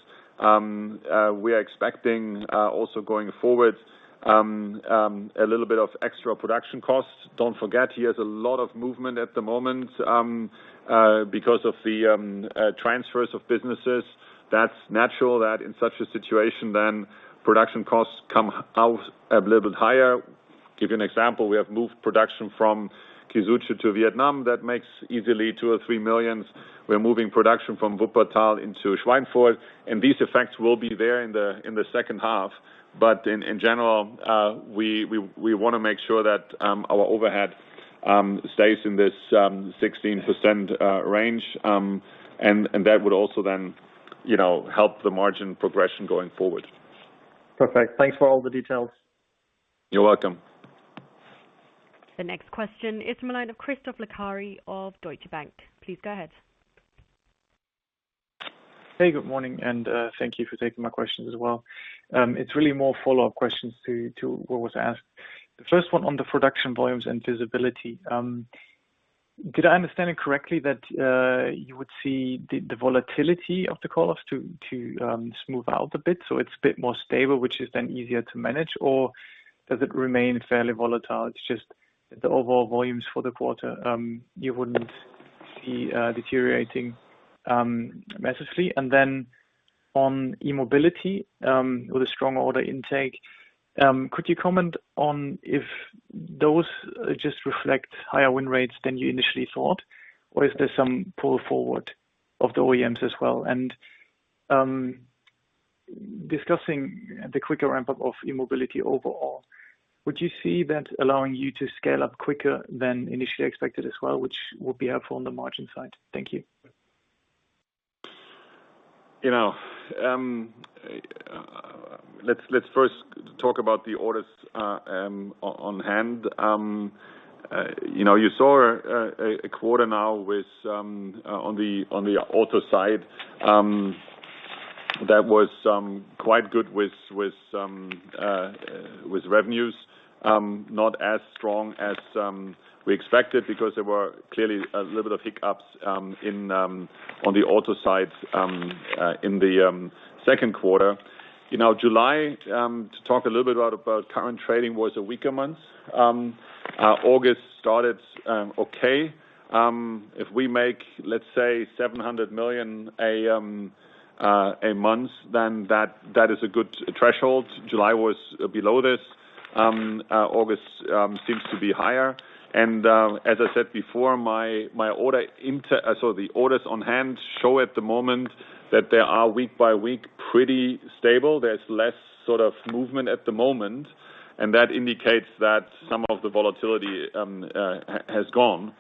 We are expecting, also going forward, a little bit of extra production costs. Don't forget, he has a lot of movement at the moment because of the transfers of businesses. That's natural that in such a situation then production costs come out a little bit higher. Give you an example. We have moved production from Kysuce to Vietnam. That makes easily 2 million or 3 million. We're moving production from Wuppertal into Schweinfurt, and these effects will be there in the second half. In general, we want to make sure that our overhead stays in this 16% range, and that would also then help the margin progression going forward. Perfect. Thanks for all the details. You're welcome. The next question is the line of Christoph Laskawi of Deutsche Bank. Please go ahead. Hey, good morning, thank you for taking my question as well. It's really more follow-up questions to what was asked. The first one on the production volumes and visibility. Did I understand it correctly that you would see the volatility of the call-offs to smooth out a bit so it's a bit more stable, which is then easier to manage? Does it remain fairly volatile? It's just the overall volumes for the quarter, you wouldn't see deteriorating massively. On e-mobility, with a strong order intake, could you comment on if those just reflect higher win rates than you initially thought, or is there some pull forward of the OEMs as well? Discussing the quicker ramp-up of e-mobility overall. Would you see that allowing you to scale up quicker than initially expected as well, which would be helpful on the margin side? Thank you. Let's first talk about the orders on hand. You saw a quarter now on the auto side, that was quite good with revenues. Not as strong as we expected because there were clearly a little bit of hiccups on the auto side in the second quarter. July, to talk a little bit about current trading, was a weaker month. August started okay. If we make, let's say, 700 million a month, then that is a good threshold. July was below this. August seems to be higher. As I said before, the orders on hand show at the moment that they are week by week pretty stable. There is less sort of movement at the moment, and that indicates that some of the volatility has gone.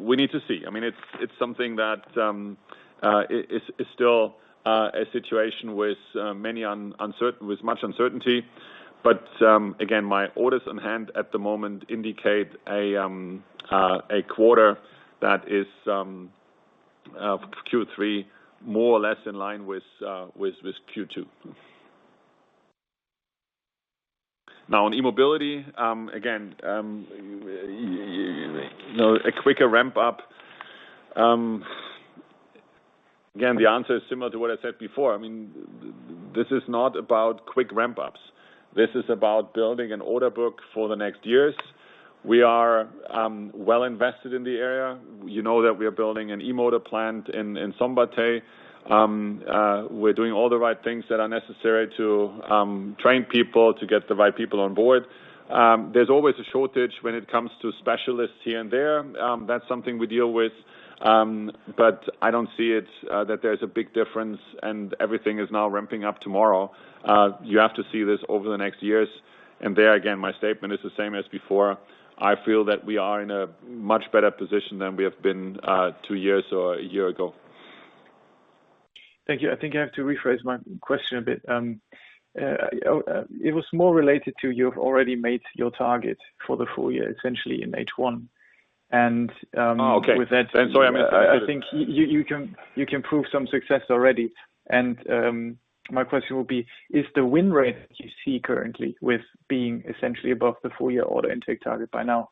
We need to see. It is something that is still a situation with much uncertainty. Again, my orders on hand at the moment indicate a quarter, Q3, more or less in line with Q2. On e-mobility, again, a quicker ramp-up. Again, the answer is similar to what I said before. This is not about quick ramp-ups. This is about building an order book for the next years. We are well invested in the area. You know that we are building an e-motor plant in Szombathely. We're doing all the right things that are necessary to train people, to get the right people on board. There's always a shortage when it comes to specialists here and there. That's something we deal with. I don't see that there's a big difference and everything is now ramping up tomorrow. You have to see this over the next years. There, again, my statement is the same as before. I feel that we are in a much better position than we have been two years or one year ago. Thank you. I think I have to rephrase my question a bit. It was more related to you have already made your target for the full year, essentially in H1. Oh, okay. I'm sorry, I misunderstood. I think you can prove some success already. My question would be, is the win rate that you see currently with being essentially above the full year order intake target by now,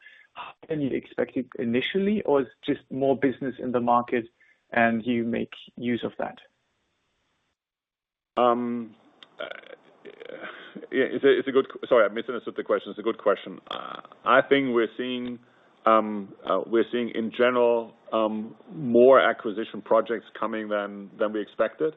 than you expected initially, or it's just more business in the market and you make use of that? Sorry, I misunderstood the question. It's a good question. I think we're seeing, in general, more acquisition projects coming than we expected.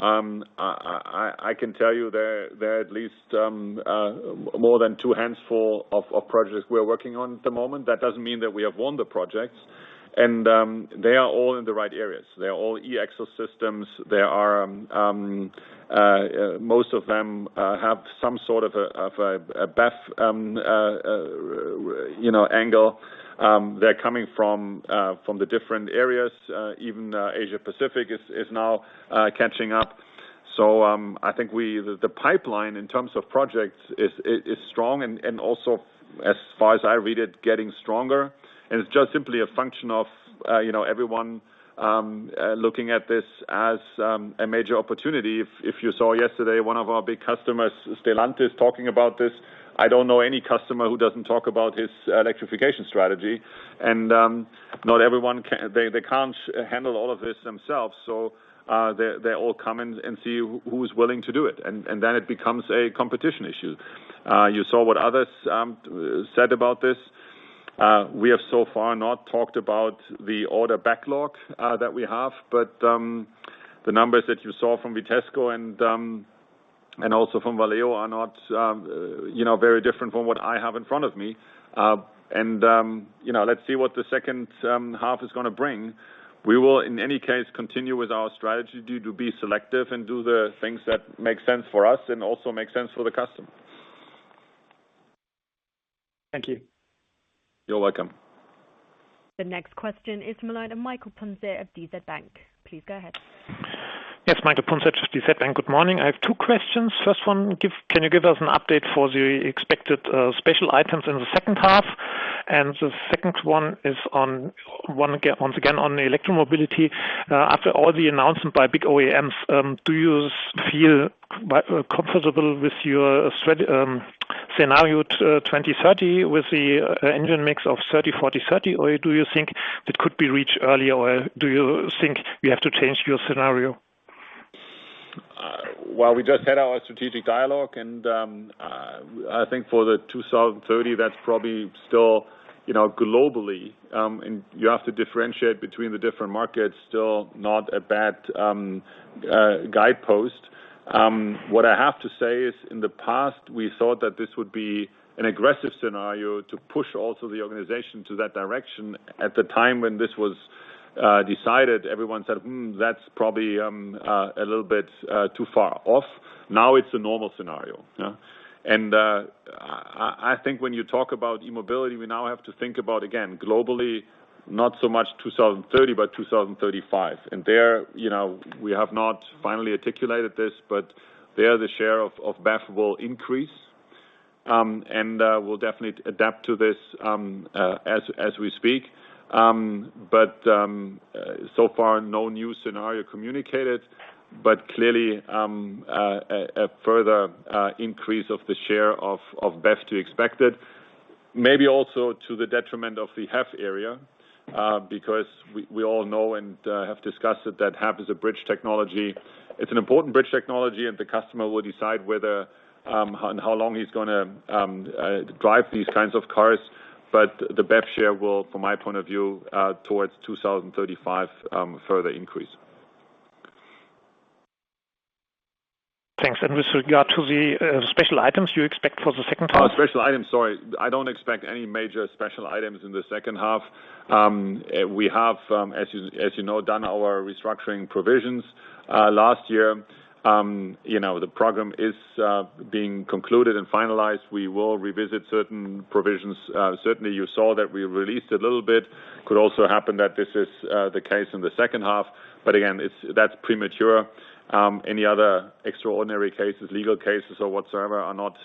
I can tell you there are at least more than 2 handfuls of projects we are working on at the moment. That doesn't mean that we have won the projects. They are all in the right areas. They're all E-Axle systems. Most of them have some sort of a BEV angle. They're coming from the different areas. Even Asia-Pacific is now catching up. I think the pipeline in terms of projects is strong and also, as far as I read it, getting stronger. It's just simply a function of everyone looking at this as a major opportunity. If you saw yesterday, one of our big customers, Stellantis, talking about this. I don't know any customer who doesn't talk about his electrification strategy. Not everyone can handle all of this themselves, so they all come and see who's willing to do it. It becomes a competition issue. You saw what others said about this. We have so far not talked about the order backlog that we have, but the numbers that you saw from Vitesco and also from Valeo are not very different from what I have in front of me. Let's see what the second half is going to bring. We will, in any case, continue with our strategy to be selective and do the things that make sense for us and also make sense for the customer. Thank you. You're welcome. The next question is from the line of Michael Punzet of DZ Bank. Please go ahead. Yes, Michael Punzet with DZ Bank. Good morning. I have two questions. First one, can you give us an update for the expected special items in the second half? The second one is, once again, on the electro mobility. After all the announcements by big OEMs, do you feel comfortable with your scenario to 2030 with the engine mix of 30/40/30, or do you think it could be reached earlier? Do you think we have to change your scenario? Well, we just had our strategic dialogue. I think for the 2030, that's probably still globally. You have to differentiate between the different markets, still not a bad guidepost. What I have to say is in the past, we thought that this would be an aggressive scenario to push also the organization to that direction. At the time when this was decided, everyone said, "Hmm, that's probably a little bit too far off." Now it's a normal scenario. I think when you talk about e-mobility, we now have to think about, again, globally, not so much 2030, but 2035. There, we have not finally articulated this, but there the share of BEV will increase. We'll definitely adapt to this as we speak. So far, no new scenario communicated, but clearly, a further increase of the share of BEV to expected. Maybe also to the detriment of the HEV area, because we all know and have discussed that HEV is a bridge technology. It's an important bridge technology, and the customer will decide whether and how long he's going to drive these kinds of cars. The BEV share will, from my point of view, towards 2035, further increase. Thanks. With regard to the special items you expect for the second half? Special items. Sorry. I don't expect any major special items in the second half. We have, as you know, done our restructuring provisions last year. The program is being concluded and finalized. We will revisit certain provisions. Certainly, you saw that we released a little bit. Could also happen that this is the case in the second half, but again, that's premature. Any other extraordinary cases, legal cases, or whatsoever are not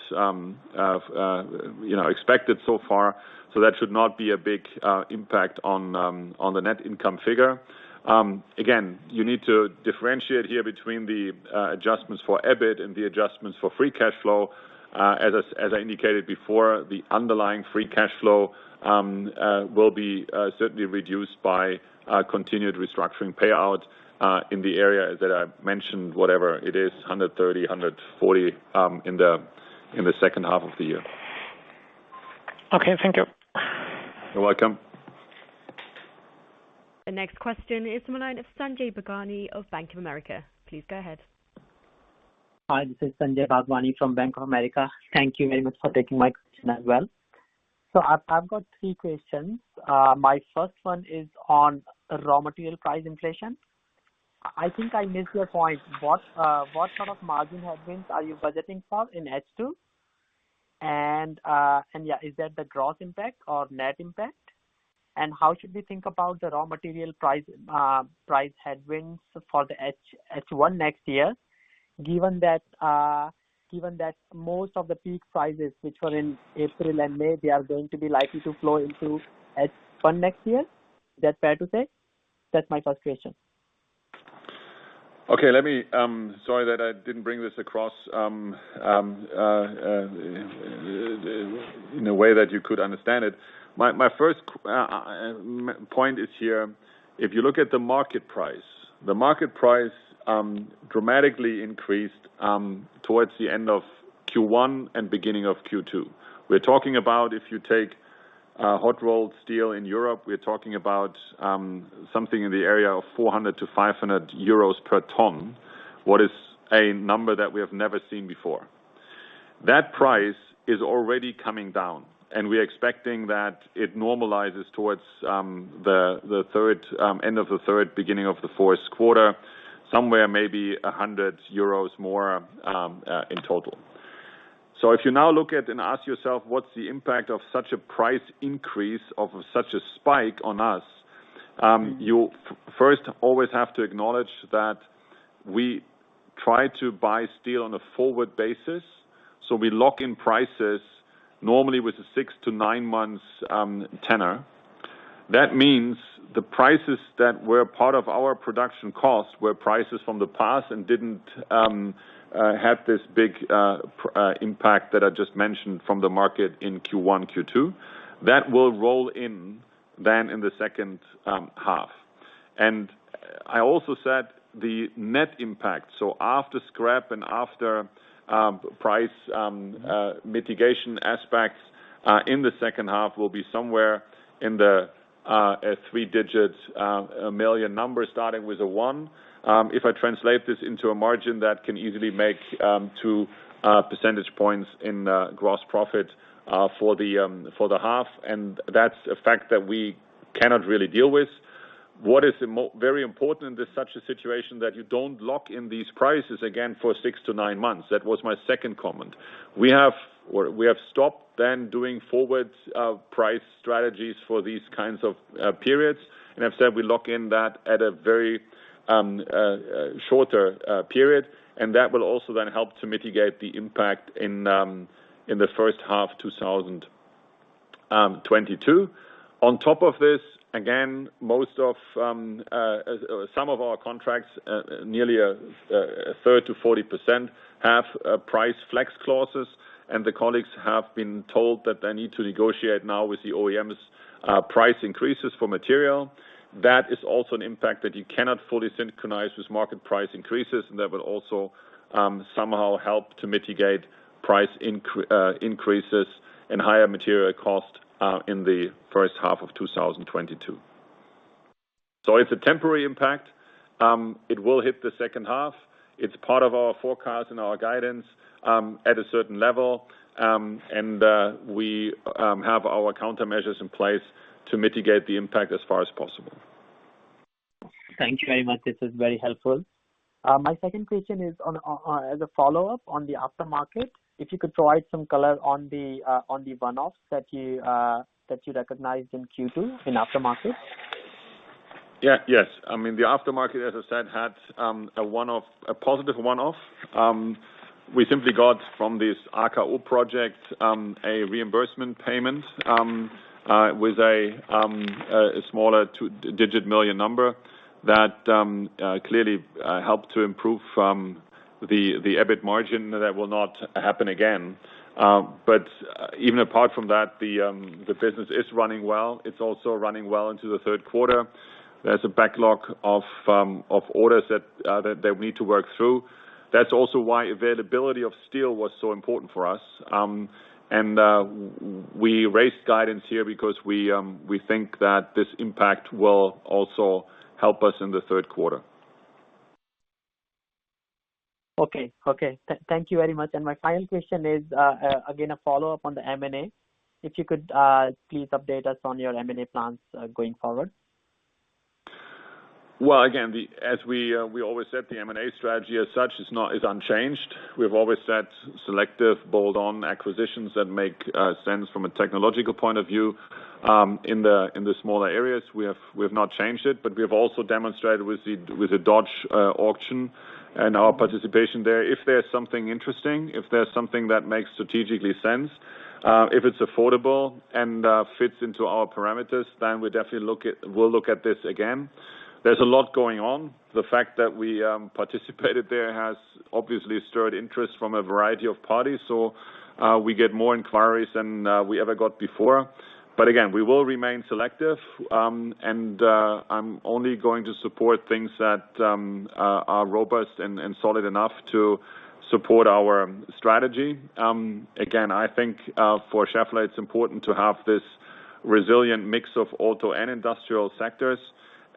expected so far. That should not be a big impact on the net income figure. Again, you need to differentiate here between the adjustments for EBIT and the adjustments for free cash flow. As I indicated before, the underlying free cash flow will be certainly reduced by continued restructuring payout in the area that I mentioned, whatever it is, 130, 140 in the second half of the year. Okay. Thank you. You're welcome. The next question is the line of Sanjay Bhagwani of Bank of America. Please go ahead. Hi, this is Sanjay Bhagwani from Bank of America. Thank you very much for taking my question as well. I've got three questions. My first one is on raw material price inflation. I think I missed your point. What sort of margin headwinds are you budgeting for in H2? Is that the gross impact or net impact? How should we think about the raw material price headwinds for the H1 next year, given that most of the peak prices, which were in April and May, they are going to be likely to flow into H1 next year? Is that fair to say? That's my first question. Sorry that I didn't bring this across in a way that you could understand it. My first point is here, if you look at the market price, the market price dramatically increased towards the end of Q1 and beginning of Q2. We're talking about if you take hot-rolled steel in Europe, we're talking about something in the area of 400-500 euros per ton, what is a number that we have never seen before. That price is already coming down, we're expecting that it normalizes towards the end of the third, beginning of the fourth quarter, somewhere maybe 100 euros more in total. If you now look at and ask yourself what's the impact of such a price increase, of such a spike on us, you first always have to acknowledge that we try to buy steel on a forward basis. We lock in prices normally with a six to nine months tenor. That means the prices that were part of our production cost were prices from the past and didn't have this big impact that I just mentioned from the market in Q1, Q2. That will roll in then in the second half. I also said the net impact, so after scrap and after price mitigation aspects in the second half will be somewhere in the three digits, a million number starting with a one. If I translate this into a margin, that can easily make 2 percentage points in gross profit for the half. That's a fact that we cannot really deal with. What is very important in such a situation that you don't lock in these prices again for six to nine months. That was my second comment. We have stopped doing forward price strategies for these kinds of periods. I've said we lock in that at a very shorter period. That will also help to mitigate the impact in the first half 2022. On top of this, again, some of our contracts, nearly a 30%-40%, have price flex clauses. The colleagues have been told that they need to negotiate now with the OEMs price increases for material. That is also an impact that you cannot fully synchronize with market price increases. That will also somehow help to mitigate price increases and higher material cost in the first half of 2022. It's a temporary impact. It will hit the second half. It's part of our forecast and our guidance at a certain level. We have our countermeasures in place to mitigate the impact as far as possible. Thank you very much. This is very helpful. My second question is, as a follow-up on the Aftermarket, if you could provide some color on the one-off that you recognized in Q2 in Aftermarket. Yes. The Aftermarket, as I said, had a positive one-off. We simply got from this AKO project a reimbursement payment with a smaller two-digit million number that clearly helped to improve from the EBIT margin. That will not happen again. Even apart from that, the business is running well. It's also running well into the third quarter. There's a backlog of orders that we need to work through. That's also why availability of steel was so important for us. We raised guidance here because we think that this impact will also help us in the third quarter. Okay. Thank you very much. My final question is, again, a follow-up on the M&A. If you could please update us on your M&A plans going forward. Again, as we always said, the M&A strategy as such is unchanged. We've always said selective bolt-on acquisitions that make sense from a technological point of view in the smaller areas. We've not changed it, but we've also demonstrated with the Dodge auction and our participation there, if there's something interesting, if there's something that makes strategically sense, if it's affordable and fits into our parameters, then we'll look at this again. There's a lot going on. The fact that we participated there has obviously stirred interest from a variety of parties, so we get more inquiries than we ever got before. Again, we will remain selective. I'm only going to support things that are robust and solid enough to support our strategy. Again, I think for Schaeffler, it's important to have this resilient mix of auto and industrial sectors,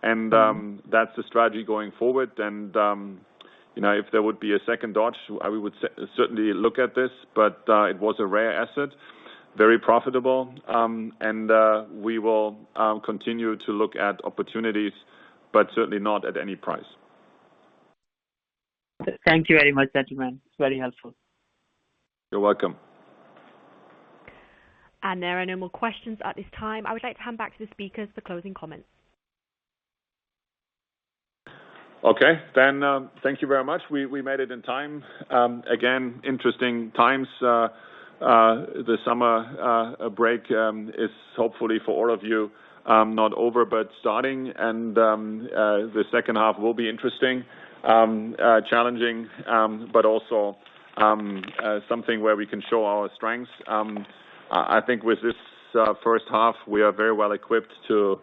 and that's the strategy going forward. If there would be a second Dodge, we would certainly look at this, but it was a rare asset, very profitable. We will continue to look at opportunities, but certainly not at any price. Thank you very much, gentlemen. It is very helpful. You're welcome. There are no more questions at this time. I would like to hand back to the speakers for closing comments. Okay. Thank you very much. We made it in time. Interesting times. The summer break is hopefully for all of you, not over, but starting, and the second half will be interesting, challenging, but also something where we can show our strengths. I think with this first half, we are very well equipped to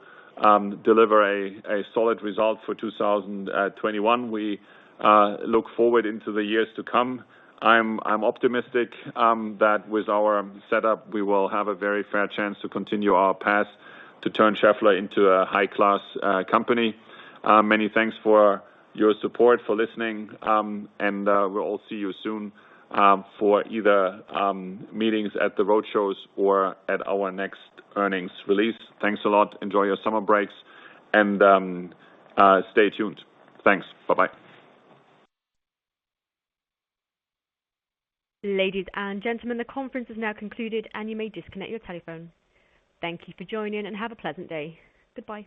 deliver a solid result for 2021. We look forward into the years to come. I'm optimistic that with our setup, we will have a very fair chance to continue our path to turn Schaeffler into a high-class company. Many thanks for your support, for listening. We'll all see you soon for either meetings at the road shows or at our next earnings release. Thanks a lot. Enjoy your summer breaks, and stay tuned. Thanks. Bye-bye. Ladies and gentlemen, the conference is now concluded, and you may disconnect your telephone. Thank you for joining, and have a pleasant day. Goodbye.